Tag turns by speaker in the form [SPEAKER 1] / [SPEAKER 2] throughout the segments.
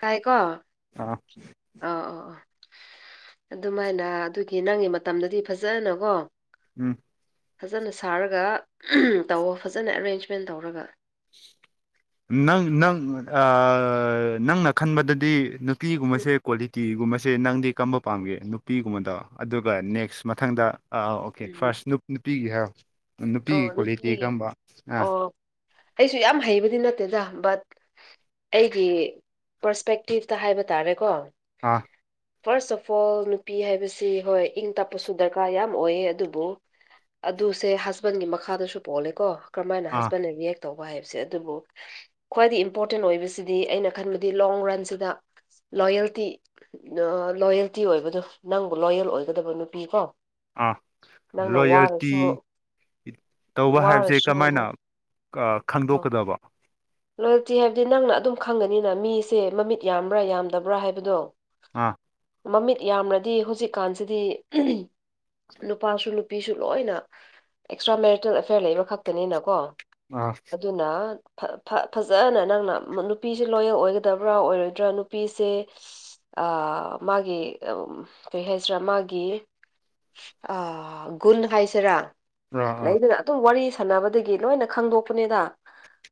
[SPEAKER 1] ꯇꯥꯏꯀꯣ ꯑ
[SPEAKER 2] ꯑꯥ
[SPEAKER 1] ꯑꯣ ꯑꯣ ꯑꯗꯨꯃꯥꯏꯅ ꯑꯗꯨꯒꯤ ꯅꯪꯒꯤ ꯃꯇꯝꯗꯗꯤ ꯐꯖꯅꯀꯣ
[SPEAKER 2] ꯎꯝ
[SPEAKER 1] ꯐꯖꯅ ꯁꯥꯔꯒ ꯇꯧ ꯐꯖꯅ ꯑꯦꯔꯦꯟꯖꯃꯦꯟ ꯇꯧꯔꯒ
[SPEAKER 2] ꯅꯪ ꯅꯪ ꯅꯪꯅ ꯈꯟꯕꯗꯗꯤ
[SPEAKER 1] ꯎꯝ
[SPEAKER 2] ꯄꯤꯒꯨꯝꯕꯁꯦ ꯀ꯭ꯋꯥꯂꯤꯇꯤꯒꯨꯝꯕ ꯁꯁꯦ ꯅꯪꯗꯤ ꯀꯝꯕ ꯄꯥꯝꯒꯦ ꯅꯨꯄꯤꯒꯨꯝꯕꯗꯣ ꯑꯗꯨꯒ ꯅꯦꯛꯁ ꯃꯊꯪꯗ ꯑꯥ ꯑ ꯑꯣꯀꯦ
[SPEAKER 1] ꯎꯝ ꯎꯝ
[SPEAKER 2] ꯐꯥꯔꯁ ꯅꯨꯄꯤꯒꯤ ꯍꯥꯏꯔꯣ
[SPEAKER 1] ꯑꯣ
[SPEAKER 2] ꯅꯨꯄꯤꯒꯤ ꯀ꯭ꯋꯥꯂꯤꯇꯤ
[SPEAKER 1] ꯅꯨꯄꯤꯒꯤ
[SPEAKER 2] ꯀꯔꯝꯕ ꯑꯥ
[SPEAKER 1] ꯑꯣ ꯑꯩꯁꯨ ꯌꯥꯝ ꯍꯩꯕꯗꯤ ꯅꯠꯇꯦꯗ ꯕꯠ ꯑꯩꯒꯤ ꯄꯔꯁꯄꯦꯛꯇꯤꯞꯇ ꯍꯥꯏꯕ ꯇꯥꯔꯦꯀꯣ
[SPEAKER 2] ꯑꯥ
[SPEAKER 1] ꯐꯥꯔꯁ ꯑꯣꯐ ꯑꯣꯜ ꯅꯨꯄꯤ ꯍꯥꯏꯕꯁꯤ ꯍꯣꯏ ꯏꯪ ꯇꯞꯄꯁꯨ ꯗꯔꯀꯥꯔ ꯌꯥꯝ ꯑꯣꯏꯌꯦ ꯑꯗꯨꯕꯨ ꯑꯗꯨꯁꯦ ꯍꯁꯕꯦꯟꯒꯤ ꯃꯈꯥꯗꯁꯨ ꯄꯣꯛꯜꯂꯦꯀꯣ ꯀꯔꯝꯍ ꯍꯥꯏꯅ
[SPEAKER 2] ꯑꯥ
[SPEAKER 1] ꯍꯁꯕꯦꯟꯅ ꯔꯤꯌꯦꯛ ꯇꯧꯕ ꯍꯥꯏꯕꯁꯦ ꯑꯗꯨꯕꯨ ꯈ꯭ꯋꯥꯏꯗ ꯏꯝꯄꯣꯔꯇꯦꯟ ꯑꯣꯏꯕꯁꯤꯗꯤ ꯑꯩꯅ ꯈꯟꯕꯗꯤ ꯂꯣꯡ ꯔꯟꯁꯤꯗ ꯂꯣꯌꯦꯜꯇꯤ ꯂꯣꯌꯦꯜꯇꯤ ꯑꯣꯏꯕꯗꯣ ꯅꯪꯕꯨ ꯂꯣꯌꯦꯜ ꯑꯣꯏꯒꯗꯕ ꯅꯨꯄꯤ ꯀꯣ
[SPEAKER 2] ꯑꯥ
[SPEAKER 1] ꯅꯪꯅ ꯋꯥꯔꯁꯨ
[SPEAKER 2] ꯂꯣꯌꯔꯇꯤ ꯇꯧꯕ ꯍꯥꯏꯕꯁꯦ
[SPEAKER 1] ꯋꯥꯔꯁꯨ
[SPEAKER 2] ꯀꯃꯥꯏꯅ ꯈꯪꯗꯣꯛꯀꯗꯕ
[SPEAKER 1] ꯂꯣꯌꯦꯜꯇꯤ ꯍꯥꯏꯕꯗꯤ ꯅꯪꯅ ꯑꯗꯨꯝ ꯈꯪꯒꯅꯤꯅ ꯃꯤꯁꯦ ꯃꯃꯤꯠ ꯌꯥꯝꯕ꯭ꯔꯥ ꯌꯥꯝꯗꯕ꯭ꯔꯥ ꯍꯥꯏꯕꯗꯣ
[SPEAKER 2] ꯑ
[SPEAKER 1] ꯃꯃꯤꯠ ꯌꯥꯝ꯭ꯔꯗꯤ ꯍꯧꯖꯤꯛꯀꯥꯟꯁꯤꯗꯤ ꯅꯨꯄꯥꯁꯨ ꯅꯨꯄꯤꯁꯨ ꯂꯣꯏꯅ ꯑꯦꯛꯁꯇ꯭ꯔꯥ ꯃꯦꯔꯤꯇꯦꯜ ꯑꯦꯐꯤꯌꯥꯔ ꯂꯩꯕ ꯈꯛꯇꯅꯤꯅ ꯀꯣ
[SPEAKER 2] ꯑꯥ
[SPEAKER 1] ꯑꯗꯨꯅ ꯐ ꯐꯖꯅ ꯅꯪꯅ ꯅꯨꯄꯤꯁꯦ ꯂꯣꯌꯦꯜ ꯑꯣꯏꯒꯗꯕ꯭ꯔꯥ ꯑꯣꯏꯔꯣꯏꯗ꯭ꯔꯥ ꯅꯨꯄꯤꯁꯦ ꯑ ꯃꯥꯒꯤ ꯀꯩ ꯍꯥꯏꯁꯤꯔꯥ ꯃꯥꯒꯤ ꯑ ꯒꯨꯟ ꯍꯥꯏꯥꯏꯁꯤꯔꯥ
[SPEAKER 2] ꯑꯥ ꯑꯥ
[SPEAKER 1] ꯂꯩꯗꯅ ꯑꯗꯨꯝ ꯋꯥꯔꯤ ꯁꯥꯟꯅꯕꯗꯒꯤ ꯂꯣꯏꯅ ꯈꯪꯗꯣꯛꯄꯅꯦꯗ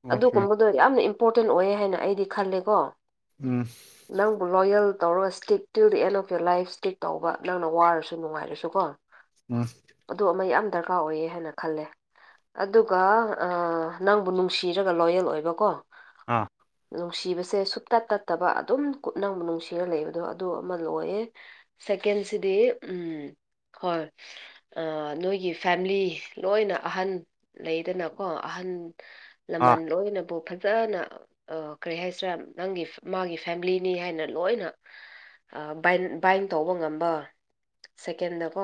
[SPEAKER 2] ꯑꯣꯀꯦ
[SPEAKER 1] ꯑꯗꯨꯒꯨꯝꯕꯗꯣ ꯌꯥꯝꯅ ꯏꯝꯄꯣꯔꯇꯦꯟ ꯑꯣꯏ ꯍꯥꯏꯅ ꯑꯩꯗꯤ ꯈꯜꯂꯦꯀꯣ
[SPEAKER 2] ꯎꯝ
[SPEAKER 1] ꯅꯪꯕꯨ ꯂꯣꯌꯦꯜ ꯇꯧꯔꯒ ꯁ꯭ꯇꯤꯛ ꯇꯤꯜ ꯗꯗꯤ end of your life stick ꯇꯧꯕ ꯅꯪꯅ ꯋꯥꯔꯁꯨ ꯅꯨꯡꯉꯥꯏꯔꯁꯨ ꯀꯣ
[SPEAKER 2] ꯎꯝ
[SPEAKER 1] ꯑꯗꯨ ꯃ ꯌꯥꯝ ꯗꯔꯀꯥꯔ ꯑꯣꯏꯌꯦ ꯍꯥꯏꯅ ꯈꯜꯂꯦ ꯑꯗꯨꯒ ꯅꯪꯕꯨ ꯅꯨꯡꯁꯤ ꯭ꯔꯒ ꯂꯣꯌꯦꯜ ꯑꯣꯏꯕ ꯀꯣ
[SPEAKER 2] ꯑꯥ
[SPEAKER 1] ꯅꯨꯡꯁꯤꯕꯁꯦ ꯁꯨꯞꯇꯠ ꯇꯠꯇꯕ ꯑꯗꯨꯝ ꯀꯠꯅ ꯅꯨꯡꯁꯤꯔ ꯂꯩꯕꯗꯣ ꯑꯗꯨ ꯑꯃ ꯂꯣꯏꯌꯦ ꯀꯦꯟꯁꯤꯗꯤ ꯎꯝ ꯍꯣꯏ ꯅꯣꯏꯒꯤ ꯐꯦꯂꯤ ꯂꯣꯏꯅ ꯑꯍꯟ ꯂꯩꯗꯅꯀꯣ ꯑꯍꯟ ꯑꯍꯟ
[SPEAKER 2] ꯑꯥ
[SPEAKER 1] ꯂꯃꯟ ꯂꯣꯏꯅꯕꯨ ꯐ ꯐꯖꯅ ꯀꯔꯤ ꯍꯥꯏꯁꯤꯔꯥ ꯅꯪꯒꯤ ꯃꯥꯒꯤ ꯐꯦꯃꯤꯂꯤꯅꯤ ꯍꯥꯏꯅ ꯂꯣꯏꯅ ꯕꯥꯏꯟ ꯇꯧꯕ ꯉꯝꯕ ꯁꯦꯀꯦꯟꯗꯀꯣ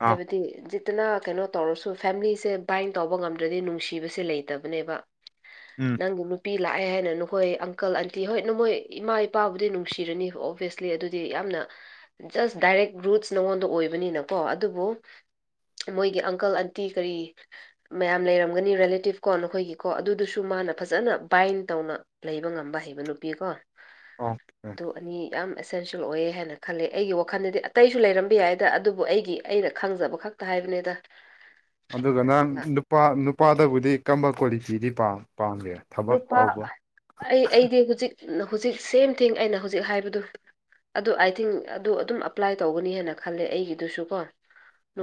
[SPEAKER 2] ꯑꯥ
[SPEAKER 1] ꯍꯥꯏꯕꯗꯤꯠ ꯐꯇꯅ ꯀꯩꯅꯣ ꯇꯧꯔꯁꯨ ꯐꯦꯃꯤꯂꯤꯁꯦ ꯕꯥꯏꯟ ꯇꯧꯕ ꯉꯝꯗ꯭ꯔꯗꯤ ꯅꯨꯡꯁꯤꯕꯁꯦ ꯂꯩꯇꯕꯅꯦꯕ
[SPEAKER 2] ꯎꯝ
[SPEAKER 1] ꯅꯪ ꯅꯨ ꯄꯄꯤ ꯂꯥꯛꯑꯦ ꯍꯥꯏꯅ ꯅꯈꯣꯏ ꯑꯪꯀꯜ ꯑꯟꯇꯤ ꯍꯣꯏ ꯅꯃꯣꯏ ꯏꯃꯥ ꯏꯄꯥꯕꯨꯗꯤ ꯅꯨꯡꯁꯤꯔꯅꯤ ꯑꯣꯕꯤꯌꯁꯂꯤ ꯑꯗꯨꯗꯤ ꯌꯥꯝ ꯌꯥꯝꯅ ꯖꯁ ꯗꯥꯏꯔꯦꯛ ꯔꯨꯠꯁ ꯅꯉꯣꯟꯗ ꯑꯣꯏꯕꯅꯤꯅꯀꯣ ꯑꯗꯨꯕꯨ ꯃꯣꯏꯒꯤ ꯑꯪꯀꯜ ꯑꯟꯇꯤ ꯀꯔꯤ ꯃꯌꯥꯝ ꯂꯩꯔꯝꯒꯅꯤ ꯦꯂꯦꯇꯤꯞ ꯀꯣ ꯅꯈꯣꯏꯒꯤ ꯀꯣ ꯑꯗꯨꯗꯨꯁꯨ ꯃꯥꯅ ꯐꯖꯅ ꯕꯥꯏꯟ ꯇꯧꯅ ꯂꯩꯕ ꯉꯝꯕ ꯍꯩꯕ ꯅꯨꯄꯤ ꯀꯣ
[SPEAKER 2] ꯑꯣꯀꯦ
[SPEAKER 1] ꯑꯗꯨ ꯑꯅꯤ ꯌꯥꯝ ꯑꯦꯁꯦꯟꯁꯤꯌꯦꯜ ꯑꯣꯏꯌꯦ ꯍꯥꯏꯅ ꯈꯜꯂꯦ ꯑꯩꯒꯤ ꯋꯥꯈꯜꯗꯗꯤ ꯑꯇꯩꯁꯨ ꯂꯩꯔꯝꯕ ꯌꯥꯏꯗ ꯑꯗꯨꯕꯨ ꯑꯩꯒꯤ ꯑꯩꯅ ꯈꯪꯖꯕ ꯈꯛꯇ ꯍꯥꯏ ꯐꯅꯦꯗ
[SPEAKER 2] ꯑꯗꯨꯒ ꯅꯪ ꯅꯨꯄꯥ ꯅꯨꯄꯥꯗꯕꯨꯗꯤ ꯀꯝꯕ ꯀ꯭ꯋꯥꯂꯤꯇꯤꯗꯤ ꯄꯥꯝꯃꯤ ꯄꯥꯝꯗꯦ ꯊꯕꯛ ꯇꯧꯕ
[SPEAKER 1] ꯅꯨꯄꯥ ꯑꯩ ꯑꯩꯗꯤ ꯍꯧꯖꯤꯛ ꯍꯧꯖꯤꯛ ꯁꯦꯝ ꯊꯤꯡ ꯑꯩꯅ ꯍꯧꯖꯤꯛ ꯍꯥꯏꯕꯗꯨ ꯑꯗꯨ ꯑꯥꯏ ꯊꯤꯡ ꯑꯗꯨ ꯑꯗꯨꯝ ꯑꯦꯄ꯭ꯂꯥꯏ ꯇꯧꯒꯅꯤ ꯍꯥꯏꯅ ꯈꯜꯂꯦ ꯑꯩꯒꯤꯗꯨꯁꯨ ꯀꯣ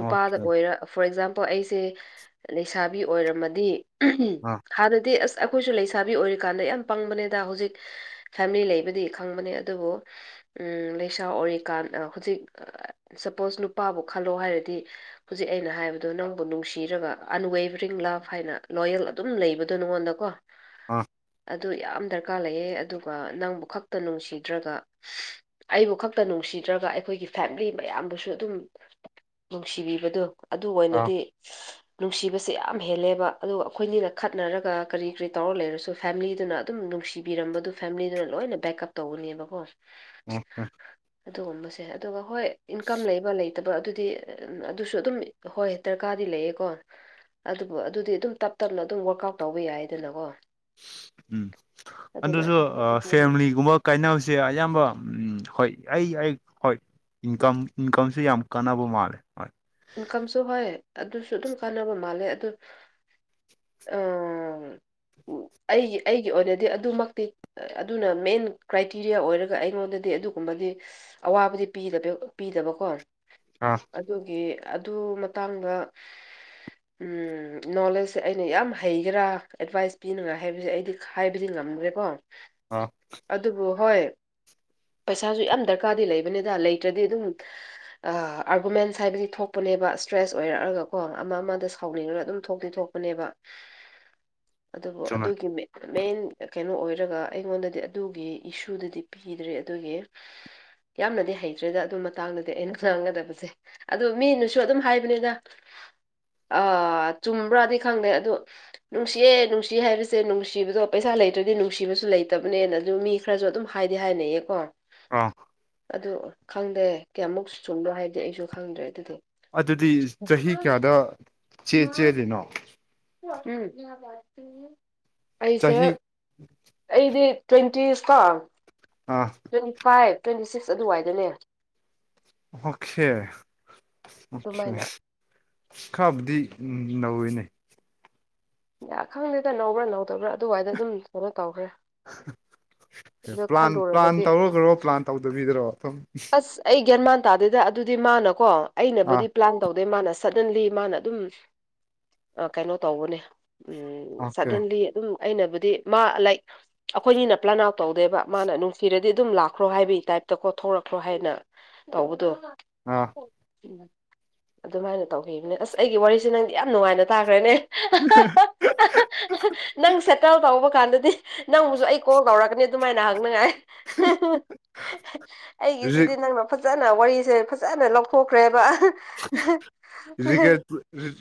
[SPEAKER 2] ꯑꯣꯀꯦ
[SPEAKER 1] ꯑꯣꯏꯔ ꯐꯣꯔ ꯑꯦꯛꯖꯥꯝꯄꯜ ꯑꯩꯁꯦ ꯂꯩꯁꯥꯕꯤ ꯑꯣꯏꯔꯝꯃꯗꯤ
[SPEAKER 2] ꯑꯥ
[SPEAKER 1] ꯈꯥꯗꯗꯤ ꯑꯩꯈꯣꯏꯁꯨ ꯂꯩꯁꯥꯕꯤ ꯑꯣꯏꯔꯤꯀꯥꯟꯗ ꯌꯥꯝ ꯄꯪꯕꯅꯦꯗ ꯍꯧꯖꯤꯛ ꯐꯦꯃꯤꯂꯤ ꯂꯩꯕꯗꯤ ꯈꯪꯕꯅꯦ ꯑꯗꯨꯕꯨ ꯎꯝ ꯂꯩꯁꯥ ꯑꯣꯏꯔꯤꯀꯥꯟ ꯍꯧꯖꯤꯛ ꯁꯄꯣꯁ ꯅꯨꯄꯥꯕꯨ ꯈꯜꯂꯣ ꯍꯥꯏꯔꯗꯤ ꯍꯧꯖꯤꯛ ꯑꯩꯅ ꯍꯥꯏꯕꯗꯣ ꯅꯪꯕꯨ ꯅꯨꯡꯁꯤꯔꯒ ꯑꯟꯋꯦꯕꯔꯤꯡ ꯂꯞ ꯍꯥꯏꯅ ꯂꯣꯌꯦꯜ ꯑꯗꯨꯝ ꯂꯩꯕꯗꯣ ꯅꯉꯣꯟꯗ
[SPEAKER 2] ꯑ
[SPEAKER 1] ꯑꯗꯨ ꯌꯥꯝ ꯗꯔꯀꯥꯔ ꯂꯩꯌꯦ ꯑꯗꯨꯒ ꯅꯪꯕꯨ ꯈꯛꯇ ꯅꯨꯡꯁꯤꯗ꯭ꯔꯒ ꯑꯩꯕꯨ ꯈꯛꯇ ꯅꯨꯡꯁꯤ ꯅꯨꯡꯁꯤꯗ꯭ꯔꯒ ꯑꯩꯈꯣꯏꯒꯤ ꯐꯦꯃꯤꯂꯤ ꯃꯌꯥꯝꯕꯨꯁꯨ ꯑꯗꯨꯝ ꯅꯨꯡꯁꯤꯕꯤꯕꯗꯣ ꯑꯗꯨ
[SPEAKER 2] ꯑꯥ
[SPEAKER 1] ꯑꯣꯏꯅꯗꯤ ꯅꯨꯡꯁꯤꯕꯁꯦ ꯌꯥꯝ ꯍꯦꯜꯂꯦꯕ ꯑꯗꯨ ꯑꯩꯈꯣꯏꯅꯤꯅ ꯈꯠꯅꯔꯒ ꯀꯔꯤ ꯀꯔꯤ ꯇꯧꯔ ꯂꯩꯔꯁꯨ ꯐꯦꯃꯤꯂꯤꯗꯨꯅ ꯑꯗꯨꯝ ꯅꯨꯡꯁꯤꯕꯤꯔꯝꯕꯗꯨ ꯐꯦꯃꯤꯂꯤꯗꯨꯅ ꯂꯣꯏꯅ ꯕꯦꯛꯑꯞ ꯇꯧꯒꯅꯦꯕꯀꯣ
[SPEAKER 2] ꯑꯣꯀꯦ
[SPEAKER 1] ꯑꯗꯨꯒꯨꯝꯕꯁꯦ ꯑꯗꯨꯒ ꯍꯣꯏ ꯏꯟꯀꯝ ꯂꯩꯕ ꯂꯩ ꯅꯠꯇꯕ ꯑꯗꯨꯗꯤ ꯑꯗꯨꯁꯨ ꯑꯗꯨꯝ ꯍꯣꯏ ꯗꯔꯀꯥꯔꯗꯤ ꯂꯩꯌꯦꯀꯣ ꯑꯗꯨꯕꯨ ꯑꯗꯨꯗꯤ ꯑꯗꯨꯝ ꯇꯞ ꯇꯞꯅ ꯑꯗꯨꯝ ꯋꯥꯔꯛ ꯑꯥꯎꯠ ꯇꯧꯕ ꯌꯥꯏꯗꯅꯀꯣ
[SPEAKER 2] ꯎꯝ
[SPEAKER 1] ꯑꯗꯨꯅ
[SPEAKER 2] ꯑꯗꯨꯁꯨ ꯐꯦꯃꯤꯂꯤꯒꯨꯝꯕ ꯀꯥꯏꯅꯕꯁꯦ ꯑꯌꯥꯝꯕ ꯍꯣꯏ ꯑꯩ ꯑꯩ ꯍꯣꯏ ꯏꯟꯀꯝ ꯏꯟꯀꯝꯁꯦ ꯌꯥꯝ ꯀꯥꯟꯅꯕ ꯃꯥꯜꯂꯦ ꯍꯣꯏ
[SPEAKER 1] ꯏꯟꯀꯝꯁꯨ ꯍꯣꯏ ꯑꯗꯨꯁꯨ ꯑꯗꯨꯝ ꯀꯥꯟꯅꯕ ꯃꯥꯜꯂꯦ ꯑꯗꯨ ꯑꯝ ꯑꯩꯒꯤ ꯑꯩꯒꯤ ꯑꯣꯏꯅꯗꯤ ꯑꯗꯨꯃꯛꯇꯤ ꯑꯗꯨꯅ ꯃꯦꯟ ꯀ꯭ꯔꯥꯏꯇꯦꯔꯤꯌꯥ ꯑꯣꯏꯔꯒ ꯑꯩꯉꯣꯟꯗꯗꯤ ꯑꯗꯨ ꯑꯗꯨꯒꯨꯝꯕꯗꯤ ꯑꯋꯥꯕꯗꯤꯤ ꯄꯤꯗꯕꯀꯣ
[SPEAKER 2] ꯑꯥ
[SPEAKER 1] ꯑꯗꯨꯒꯤ ꯑꯗꯨ ꯃꯇꯥꯡꯗ ꯅꯣꯂꯦꯖꯁꯦ ꯑꯩꯅ ꯌꯥꯝ ꯍꯩꯒꯦꯔꯥ ꯑꯦꯗꯚꯥꯏꯁ ꯄꯤꯅꯤꯡꯉꯥꯏ ꯍꯥꯏꯕꯁꯦ ꯑꯩꯗꯤ ꯍꯥꯏꯕꯗꯤ ꯉꯥꯏ ꯅꯗ꯭ꯔꯦꯀꯣ
[SPEAKER 2] ꯑꯥ
[SPEAKER 1] ꯑꯗꯨꯕꯨ ꯍꯣꯏ ꯄꯩꯁꯥꯁꯨ ꯌꯥꯝ ꯗꯔꯀꯥꯔꯗꯤ ꯂꯩꯕꯅꯤꯗ ꯂꯩꯇ꯭ꯔꯗꯤ ꯑꯗꯨꯝ ꯑꯥꯔꯒꯨꯃꯦꯟꯁ ꯍꯥꯏꯕꯗꯤ ꯊꯣꯛ ꯊꯣꯛꯄꯅꯦꯕ ꯏꯁꯇ꯭ꯔꯦꯁ ꯑꯣꯏꯔꯛꯑꯒ ꯀꯣ ꯑꯃ ꯑꯃꯗ ꯁꯥꯎꯅꯤꯡꯉꯒ ꯑꯗꯨꯝ ꯊꯣꯛꯇꯤ ꯊꯣꯛꯄꯅꯦꯕ
[SPEAKER 2] [unintelligible]
[SPEAKER 1] ꯑꯗꯨꯕꯨ
[SPEAKER 2] ꯆꯨꯝꯃꯦ
[SPEAKER 1] ꯑꯗꯨꯒꯤ ꯃꯤꯠ ꯃꯦꯟ ꯀꯩꯅꯣ ꯑꯣꯏꯔꯒ ꯑꯩꯉꯣꯟꯗꯗꯤ ꯑꯗꯨꯒꯤ ꯏꯁꯨꯗꯗꯤ ꯄꯤꯗ꯭ꯔꯦ ꯑꯗꯨꯒꯤ ꯌꯥꯝꯅꯗꯤ ꯍꯩꯇ꯭ꯔꯦꯗ ꯑꯗꯨ ꯃꯇꯥꯡꯗꯗꯤ ꯑꯩꯅ ꯈꯪꯒꯗꯕꯁꯦ ꯑꯣ ꯃꯤꯅ ꯁ ꯑꯗꯨꯝ ꯍꯥꯏꯕꯅꯤꯅ ꯑ ꯆꯨꯝꯕ꯭ꯔꯥꯗꯤ ꯈꯪꯗꯦ ꯑꯗꯨꯗꯣ ꯅꯨꯡꯁꯤꯌꯦ ꯅꯨꯡꯁꯤ ꯍꯥꯏꯕꯁꯦ ꯅꯨꯡꯁꯤꯕꯗꯣ ꯄꯩꯁꯥ ꯆꯥ ꯂꯩꯇ꯭ꯔꯗꯤ ꯅꯨꯡꯁꯤꯕꯁꯨ ꯂꯩꯇꯕꯅꯦꯅ ꯑꯗꯨ ꯃꯤ ꯈꯔꯁꯨ ꯑꯗꯨꯝ ꯍꯥꯏꯗꯤ ꯍꯥꯏꯅꯩꯌꯦ ꯀꯣ
[SPEAKER 2] ꯑꯥ
[SPEAKER 1] ꯑꯗꯨ ꯈꯪꯗꯦ ꯀꯌꯥꯃꯨꯛ ꯆꯨꯝꯕꯣ ꯍꯥꯏꯕꯗꯤ ꯑꯩꯁꯨ ꯈꯪꯗ꯭ꯔꯦ ꯑꯗꯨꯗꯤ
[SPEAKER 2] ꯑꯗꯨꯗꯤ ꯆꯍꯤ ꯀꯌꯥꯗ ꯆꯦ ꯆꯦꯜꯂꯤꯅꯣ
[SPEAKER 1] ꯎꯝ ꯑꯩꯁꯦ
[SPEAKER 2] ꯆꯍꯤ
[SPEAKER 1] ꯑꯩꯗꯤ ꯇ꯭ꯋꯦꯟꯇꯤ ꯏꯁꯇꯥ
[SPEAKER 2] ꯑꯥ
[SPEAKER 1] ꯇ꯭ꯋꯦꯟꯇꯤ ꯐꯥꯏꯚ ꯇ꯭ꯋꯦꯟꯇꯤ ꯁꯤꯛꯁ ꯑꯗꯨꯋꯥꯏꯗꯅꯦ
[SPEAKER 2] ꯑꯣꯁꯦ ꯑꯣꯦ
[SPEAKER 1] ꯑꯗꯨꯃꯥꯏꯅ
[SPEAKER 2] ꯈꯥꯕꯗꯤ ꯎꯝ ꯅꯧꯋꯤꯅꯦ
[SPEAKER 1] ꯌꯥ ꯈꯪꯗꯦꯗ ꯅꯧꯕ꯭ꯔꯥ ꯅꯧꯗꯕ꯭ꯔꯥ ꯑꯗꯨꯋꯥꯏꯗ ꯑꯗꯨꯝ ꯀꯩꯅꯣ ꯇꯧꯈ꯭ꯔꯦ ꯑꯗꯣ
[SPEAKER 2] [unintelligible] ꯄ꯭ꯂꯥꯟ ꯄ꯭ꯂꯥꯟ
[SPEAKER 1] ꯈꯜꯂꯨꯔꯒꯗꯤ
[SPEAKER 2] ꯇꯧꯔꯈ꯭ꯔꯣ ꯄ꯭ꯂꯥꯟ ꯇꯧꯗꯕꯤꯗꯔꯣꯝ
[SPEAKER 1] ꯇꯥꯗꯗ ꯑꯗꯨꯗꯤ ꯃꯥꯅꯀꯣ
[SPEAKER 2] ꯑꯥ
[SPEAKER 1] ꯑꯩꯅꯕꯨꯗꯤ ꯄ꯭ꯂꯥꯟ ꯇꯧ ꯑꯗꯩ ꯃꯥꯅ ꯁꯗꯟꯂꯤ ꯃꯥꯅ ꯑꯗꯨꯝ ꯀꯩꯅꯣ ꯇꯧꯕꯅꯦ ꯎꯝ
[SPEAKER 2] ꯑꯣꯀꯦ
[SPEAKER 1] ꯁꯗꯟꯂꯤ ꯑꯗꯨꯝ ꯑꯩꯅꯕꯨꯗꯤ ꯃꯥ ꯂꯥꯏꯛ ꯑꯩꯈꯣꯏꯅꯤꯅ ꯄ꯭ꯂꯅꯥꯎ ꯇꯧꯗꯦꯕ ꯃꯥꯅ ꯅꯨꯡꯁꯤꯔꯗꯤ ꯑꯗꯨꯝ ꯂꯥꯛꯈ꯭ꯔꯣ ꯍꯥꯏꯕꯤꯒꯤ ꯇꯥꯏꯞꯇꯀꯣꯊꯣꯔꯛꯈ꯭ꯔꯣ ꯍꯥꯏꯅ ꯇꯧꯕꯗꯣ
[SPEAKER 2] ꯑꯥ
[SPEAKER 1] ꯎꯝ ꯑꯗꯨꯃꯥꯏꯅ ꯇꯧꯈꯤꯕꯅꯦ ꯑꯁ ꯑꯩꯒꯤ ꯋꯥꯔꯤꯁꯦ ꯅꯪꯗꯤ ꯌꯥꯝ ꯅꯨꯡꯉꯥꯏꯅ ꯇꯥꯈ꯭ꯔꯦꯅꯦ ꯅꯪ ꯁꯦꯇꯜ ꯇꯧꯕ ꯀꯥꯟꯗꯗꯤ ꯅꯪꯕꯨꯁꯨ ꯑꯩ ꯀꯣꯜ ꯀꯧꯔꯛꯀꯅꯤ ꯑꯗꯨꯃꯥꯏꯅ ꯍꯪꯅꯉꯥꯏ
[SPEAKER 2] ꯔꯤꯛ
[SPEAKER 1] ꯑꯩꯒꯤꯁꯤꯗꯤ ꯅꯪꯅ ꯐꯖ ꯐꯖꯅ ꯋꯥꯔꯤꯁꯦ ꯐꯖꯅ ꯂꯧꯊꯣꯛꯈ꯭ꯔꯦꯕ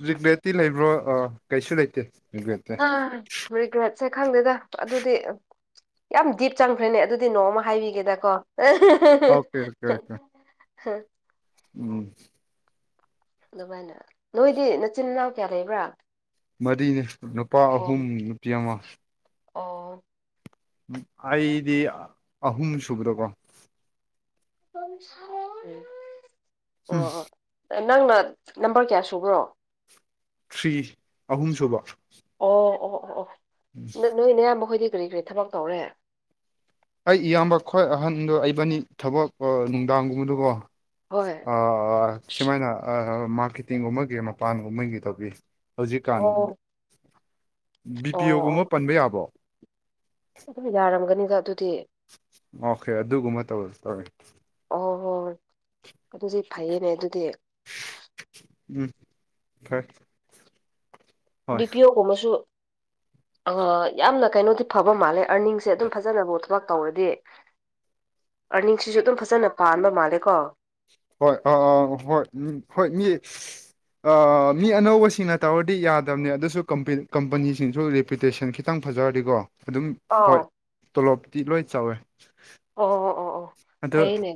[SPEAKER 2] ꯔꯤꯒꯦꯠꯇꯤ ꯂꯩꯕ꯭ꯔꯣ ꯑꯥ ꯀꯩꯁꯨ ꯂꯩꯇꯦ ꯔꯤꯒ꯭ꯔꯦꯠꯇꯤ
[SPEAKER 1] ꯑ ꯔꯤꯒ꯭ꯔꯦꯠꯁꯦ ꯈꯪꯗꯦꯗ ꯑꯗꯨꯗꯤ ꯌꯥꯝ ꯗꯤꯞ ꯆꯪꯈ꯭ꯔꯦꯅꯦ ꯑꯗꯨꯗꯤ ꯅꯣꯡꯃ ꯍꯥꯏꯕꯤꯒꯦꯗꯀꯣ
[SPEAKER 2] okay okay okay
[SPEAKER 1] hmm
[SPEAKER 2] um
[SPEAKER 1] ꯑꯗꯨꯃꯥꯏꯅ ꯅꯣꯏꯗꯤ ꯅꯆꯤꯟ ꯏꯅꯥꯎ ꯀꯌꯥ ꯂꯩꯕ꯭ꯔꯥ
[SPEAKER 2] ꯃꯔꯤꯅꯦ ꯅꯨꯄꯥ
[SPEAKER 1] ꯑꯣ
[SPEAKER 2] ꯑꯍꯨꯝ ꯅꯨꯄꯤ ꯑꯃ
[SPEAKER 1] ꯑꯣ
[SPEAKER 2] ꯑꯩꯗꯤ ꯑꯍꯨꯝ ꯁꯨꯕꯗꯀꯣ
[SPEAKER 1] [inaudible]
[SPEAKER 2] ꯍꯝ
[SPEAKER 1] ꯑꯣ ꯅꯪꯅ ꯅꯝꯕꯔ ꯀꯌꯥ ꯁꯨꯕ꯭ꯔꯣ
[SPEAKER 2] ꯊ꯭ꯔꯤ ꯑꯍꯨꯝꯁꯨꯨꯕ
[SPEAKER 1] ꯑꯣ ꯑꯣ ꯑꯣ ꯑꯣ ꯅꯣꯏꯅꯌꯥꯝꯕꯣꯏꯗꯤ ꯀꯔꯤ ꯀꯔꯤ ꯊꯕꯛ ꯇꯧꯔꯦ
[SPEAKER 2] ꯑꯩ ꯏꯌꯥꯝꯕ ꯈ꯭ꯣꯏ ꯑꯍꯟꯗꯣ ꯑꯩꯕꯥꯅꯤ ꯊꯕꯛ ꯅꯨꯡꯗꯥꯡꯒꯨꯝꯕꯗꯀꯣ
[SPEAKER 1] ꯍꯣꯏ
[SPEAKER 2] ꯁꯨꯃꯥꯏꯅ ꯃꯥꯔꯀꯦꯇꯤꯡꯒꯨꯝꯕꯒꯤ ꯃꯄꯥꯟꯒꯨꯝꯕꯒꯤ ꯇꯧꯕꯤ ꯍꯧꯖꯤꯛꯀꯥꯟ
[SPEAKER 1] ꯑꯣ
[SPEAKER 2] ꯕꯤ ꯄꯤ
[SPEAKER 1] ꯑꯣ ꯑꯣ
[SPEAKER 2] ꯑꯣꯒꯨꯝꯕ ꯄꯟꯕ ꯌꯥꯕꯣ
[SPEAKER 1] ꯑꯗꯨꯝ ꯌꯥꯔꯝꯒꯅꯤꯗ ꯑꯗꯨꯗꯤ
[SPEAKER 2] ꯑꯣꯀꯦ ꯑꯗꯨꯒꯨꯝꯕ ꯇꯧ ꯇꯧꯋꯤ
[SPEAKER 1] ꯑꯣ ꯍꯣ ꯑꯗꯨꯗꯤ ꯐꯩꯌꯦꯅꯦ ꯑꯗꯨꯗꯤ
[SPEAKER 2] ꯎꯝ ꯐꯔ
[SPEAKER 1] ꯕꯤ ꯄꯤ ꯑꯣꯒꯨꯝꯕꯁꯨ
[SPEAKER 2] [inaudible]
[SPEAKER 1] ꯌꯥꯝꯅ ꯀꯩꯅꯣꯗꯤ ꯐꯕ ꯃꯥꯜꯂꯦ ꯑꯔꯅꯤꯡꯁꯦ ꯑꯗꯨꯝ ꯐꯖꯅꯕꯨ ꯊꯕꯛ ꯇꯧꯔꯗꯤ ꯑꯥꯔꯅꯤꯡꯁꯤꯁꯨ ꯑꯗꯨꯝ ꯐꯖꯅ ꯄꯥꯟꯕ ꯃꯥꯜꯂꯦ ꯀꯣ
[SPEAKER 2] ꯍꯣꯏ ꯑ ꯑ ꯍꯣꯏ ꯎ ꯍꯣꯏ ꯃꯤ ꯃꯤ ꯑꯅꯧꯕꯁꯤꯡꯅ ꯇꯧꯔꯗꯤ ꯌꯥꯗꯕꯅꯦ ꯑꯗꯨꯁꯨ ꯀꯝꯄꯅꯤꯁꯤꯡꯁꯨ ꯔꯤꯄꯨꯇꯦꯁꯟ ꯈꯤꯇꯪ ꯐꯖꯔꯗꯤꯀꯣ ꯑꯗꯨꯝ
[SPEAKER 1] ꯑꯥꯎ
[SPEAKER 2] ꯍꯣꯏ ꯇꯣꯂꯣꯞꯇꯤ ꯂꯣꯏ ꯆꯥꯎꯋꯦ
[SPEAKER 1] ꯑꯣ ꯑꯣ ꯑꯣ ꯑꯣ
[SPEAKER 2] ꯑꯗꯣ
[SPEAKER 1] ꯀꯩꯅꯦ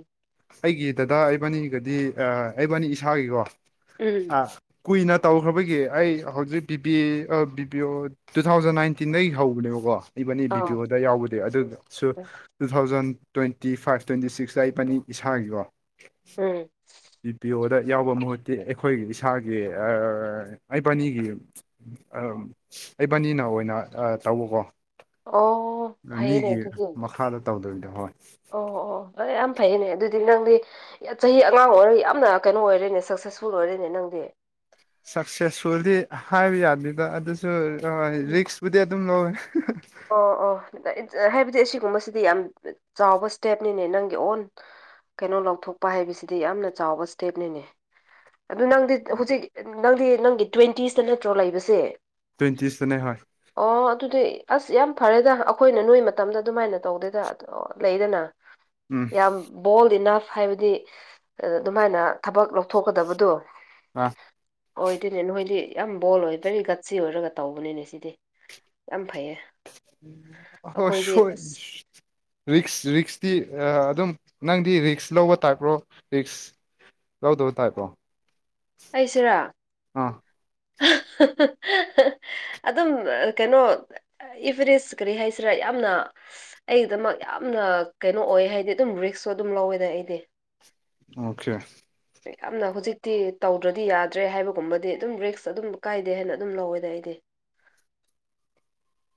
[SPEAKER 2] ꯑꯩꯒꯤ ꯗꯗꯥ ꯑꯩꯕꯥꯅꯤꯒꯗꯤ ꯑꯩꯕꯥꯅꯤ ꯏꯁꯥꯒꯤꯀꯣ
[SPEAKER 1] ꯎꯝ
[SPEAKER 2] ꯑꯥ ꯀꯨꯏꯅ ꯇꯧꯈ꯭ꯔꯕꯒꯤ ꯑꯩ ꯍꯧꯖꯤꯛ B P A B P O two thousand ꯅꯥꯏꯟꯇꯤꯟꯗꯒꯤ ꯍꯧꯕꯅꯦꯕꯀꯣ ꯏꯕꯅꯤ ꯕꯤ ꯄꯤ
[SPEAKER 1] ꯑꯥ
[SPEAKER 2] ꯑꯣꯗ ꯌꯥꯎꯕꯗꯤ ꯑꯗꯨꯁꯨ two thousand twenty five twenty ꯁꯤꯛꯁꯇ ꯏꯄꯅꯤ ꯏꯁꯥꯒꯤꯀꯣ
[SPEAKER 1] ꯎꯝ
[SPEAKER 2] ꯕꯤ ꯄꯤ ꯑꯣꯗ ꯌꯥꯎꯕ ꯃꯍꯨꯠꯇꯤ ꯑꯩꯈꯣꯏꯒꯤ ꯏꯁꯥꯒꯤ ꯏꯕꯥꯅꯤꯒꯤ ꯑꯩꯕꯥꯅꯤꯅ ꯑꯣꯏꯅ ꯇꯧꯕꯀꯣ
[SPEAKER 1] ꯑꯣ ꯐꯩꯌꯦꯅꯦ
[SPEAKER 2] ꯃꯤꯒꯤ
[SPEAKER 1] ꯑꯗꯨꯗꯤ
[SPEAKER 2] ꯃꯈꯥꯗ ꯇꯧꯗꯣꯏꯗꯣ ꯍꯣꯏ
[SPEAKER 1] ꯐꯩꯅꯦ ꯑꯗꯨꯗꯤ ꯅꯪꯗꯤ ꯆꯍꯤ ꯑꯉꯥꯡ ꯑꯣꯏꯔꯒ ꯌꯥꯝꯅ ꯀꯩꯅꯣ ꯑꯣꯏꯔꯦꯅꯦ ꯁꯛꯁꯦꯁꯐꯨꯜ ꯑꯣꯏꯔꯦꯅꯦ ꯅꯪꯗꯤ
[SPEAKER 2] ꯁꯛꯁꯦꯁ ꯐꯗꯤ ꯍꯥꯏꯕ ꯌꯥꯗꯗ ꯑꯗꯨꯁꯨ
[SPEAKER 1] ꯎꯝ
[SPEAKER 2] ꯔꯤꯛꯁꯄꯨꯗꯤ ꯑꯗꯨꯝ ꯂꯧꯋꯦ
[SPEAKER 1] ꯑꯣ ꯑꯣ ꯍꯥꯏꯕꯗꯤ ꯑꯁꯤꯒꯨꯝꯕꯁꯤꯗꯤ ꯌꯥꯝ ꯆꯥꯎꯕ ꯏꯁꯇꯦꯞꯅꯤꯅꯦ ꯅꯪꯒꯤ ꯑꯣꯟ ꯀꯩꯅꯣ ꯂꯧꯊꯣꯛꯄ ꯍꯥꯏꯕꯁꯤꯗꯤ ꯌꯥꯝꯅ ꯆꯥꯎꯕ ꯏꯁꯇꯦꯞꯅꯤꯅꯦ ꯑꯗꯨ ꯅꯪꯗꯤ ꯍꯧꯖꯤꯛ ꯅꯪꯗꯤ ꯅꯪꯒꯤ ꯇ꯭ꯋꯦꯟꯇꯤꯁꯇ ꯅꯠꯇ꯭ꯔꯣ ꯂꯩꯕꯁꯦ
[SPEAKER 2] ꯇ꯭ꯋꯦꯟꯇꯤꯤꯁꯇꯅꯦ ꯍꯣꯏ
[SPEAKER 1] ꯑꯣ ꯑꯗꯨꯗꯤ ꯑꯁ ꯌꯥꯝ ꯐꯔꯦꯗ ꯑꯩꯈꯣꯏꯅ ꯅꯣꯏ ꯃꯇꯝꯗ ꯑꯗꯨꯃꯥꯏꯅ ꯇꯧꯗꯦꯗ ꯑꯗ ꯂꯩꯗꯅ
[SPEAKER 2] ꯎꯝ
[SPEAKER 1] ꯌꯥꯝ ꯣꯜ ꯏꯅ ꯍꯥꯏꯕꯗꯤ ꯑꯗꯨꯃꯥꯏꯅ ꯊꯕꯛ ꯂꯧꯊꯣꯛꯀꯗꯕꯗꯣ
[SPEAKER 2] ꯑ
[SPEAKER 1] ꯍꯣꯏ ꯏ ꯑꯗꯨꯅꯦ ꯅꯣꯏꯗꯤ ꯌꯥꯝ ꯕꯣꯜ ꯑꯣꯏ ꯕꯦꯔꯤ ꯒꯠꯁꯤ ꯑꯣꯏꯔꯒ ꯇꯧꯕꯅꯤꯅꯦ ꯁꯤꯗꯤ ꯌꯥꯝ ꯐꯩꯌꯦ
[SPEAKER 2] ꯑꯣꯏ
[SPEAKER 1] ꯑꯩꯈꯣꯏꯗꯤ
[SPEAKER 2] ꯁꯣꯏ
[SPEAKER 1] ꯑꯁ
[SPEAKER 2] ꯔꯤꯛꯁ ꯔꯤꯛꯁꯇꯤ ꯑꯗꯨꯝ ꯅꯪꯗꯤ ꯔꯤꯛꯁ ꯂꯧꯕ ꯇꯥꯏꯞ꯭ꯔꯣ ꯔꯤꯛꯁ ꯂꯧꯗꯕ ꯇꯥꯏꯄ꯭ꯔꯣ
[SPEAKER 1] ꯑꯩꯁꯤꯔꯥ ꯑꯗꯨꯝ ꯀꯩꯅꯣ ꯏꯐꯔꯤꯦꯁ ꯀꯔꯤ ꯍꯥꯏꯁꯤꯔꯥ ꯌꯥꯝꯅ ꯑꯩꯒꯤꯗꯃꯛ ꯌꯥꯝꯅ ꯀꯩꯅꯣ ꯑꯣꯏ ꯍꯥꯏꯗꯤ ꯑꯗꯨꯝ ꯔꯤꯛꯁ ꯁꯨ ꯑꯗꯨꯝ ꯂꯧꯋꯦꯗ ꯑꯩꯗꯤ
[SPEAKER 2] ꯑꯣꯀꯦ
[SPEAKER 1] ꯌꯥꯝꯅ ꯍꯧꯖꯤꯛꯇꯤ ꯇꯧꯗ꯭ꯔꯗꯤ ꯌꯥꯗ꯭ꯔꯦ ꯍꯥꯏꯕꯒꯨꯝꯕꯗꯤ ꯑꯗꯨꯝ ꯔꯤꯛꯁ ꯑꯗꯨꯝ ꯀꯥꯏꯗꯦ ꯍꯥꯏꯅ ꯑꯗꯨꯝ ꯂꯧꯋꯦꯗ ꯑꯩꯗꯤ
[SPEAKER 2] [inaudible]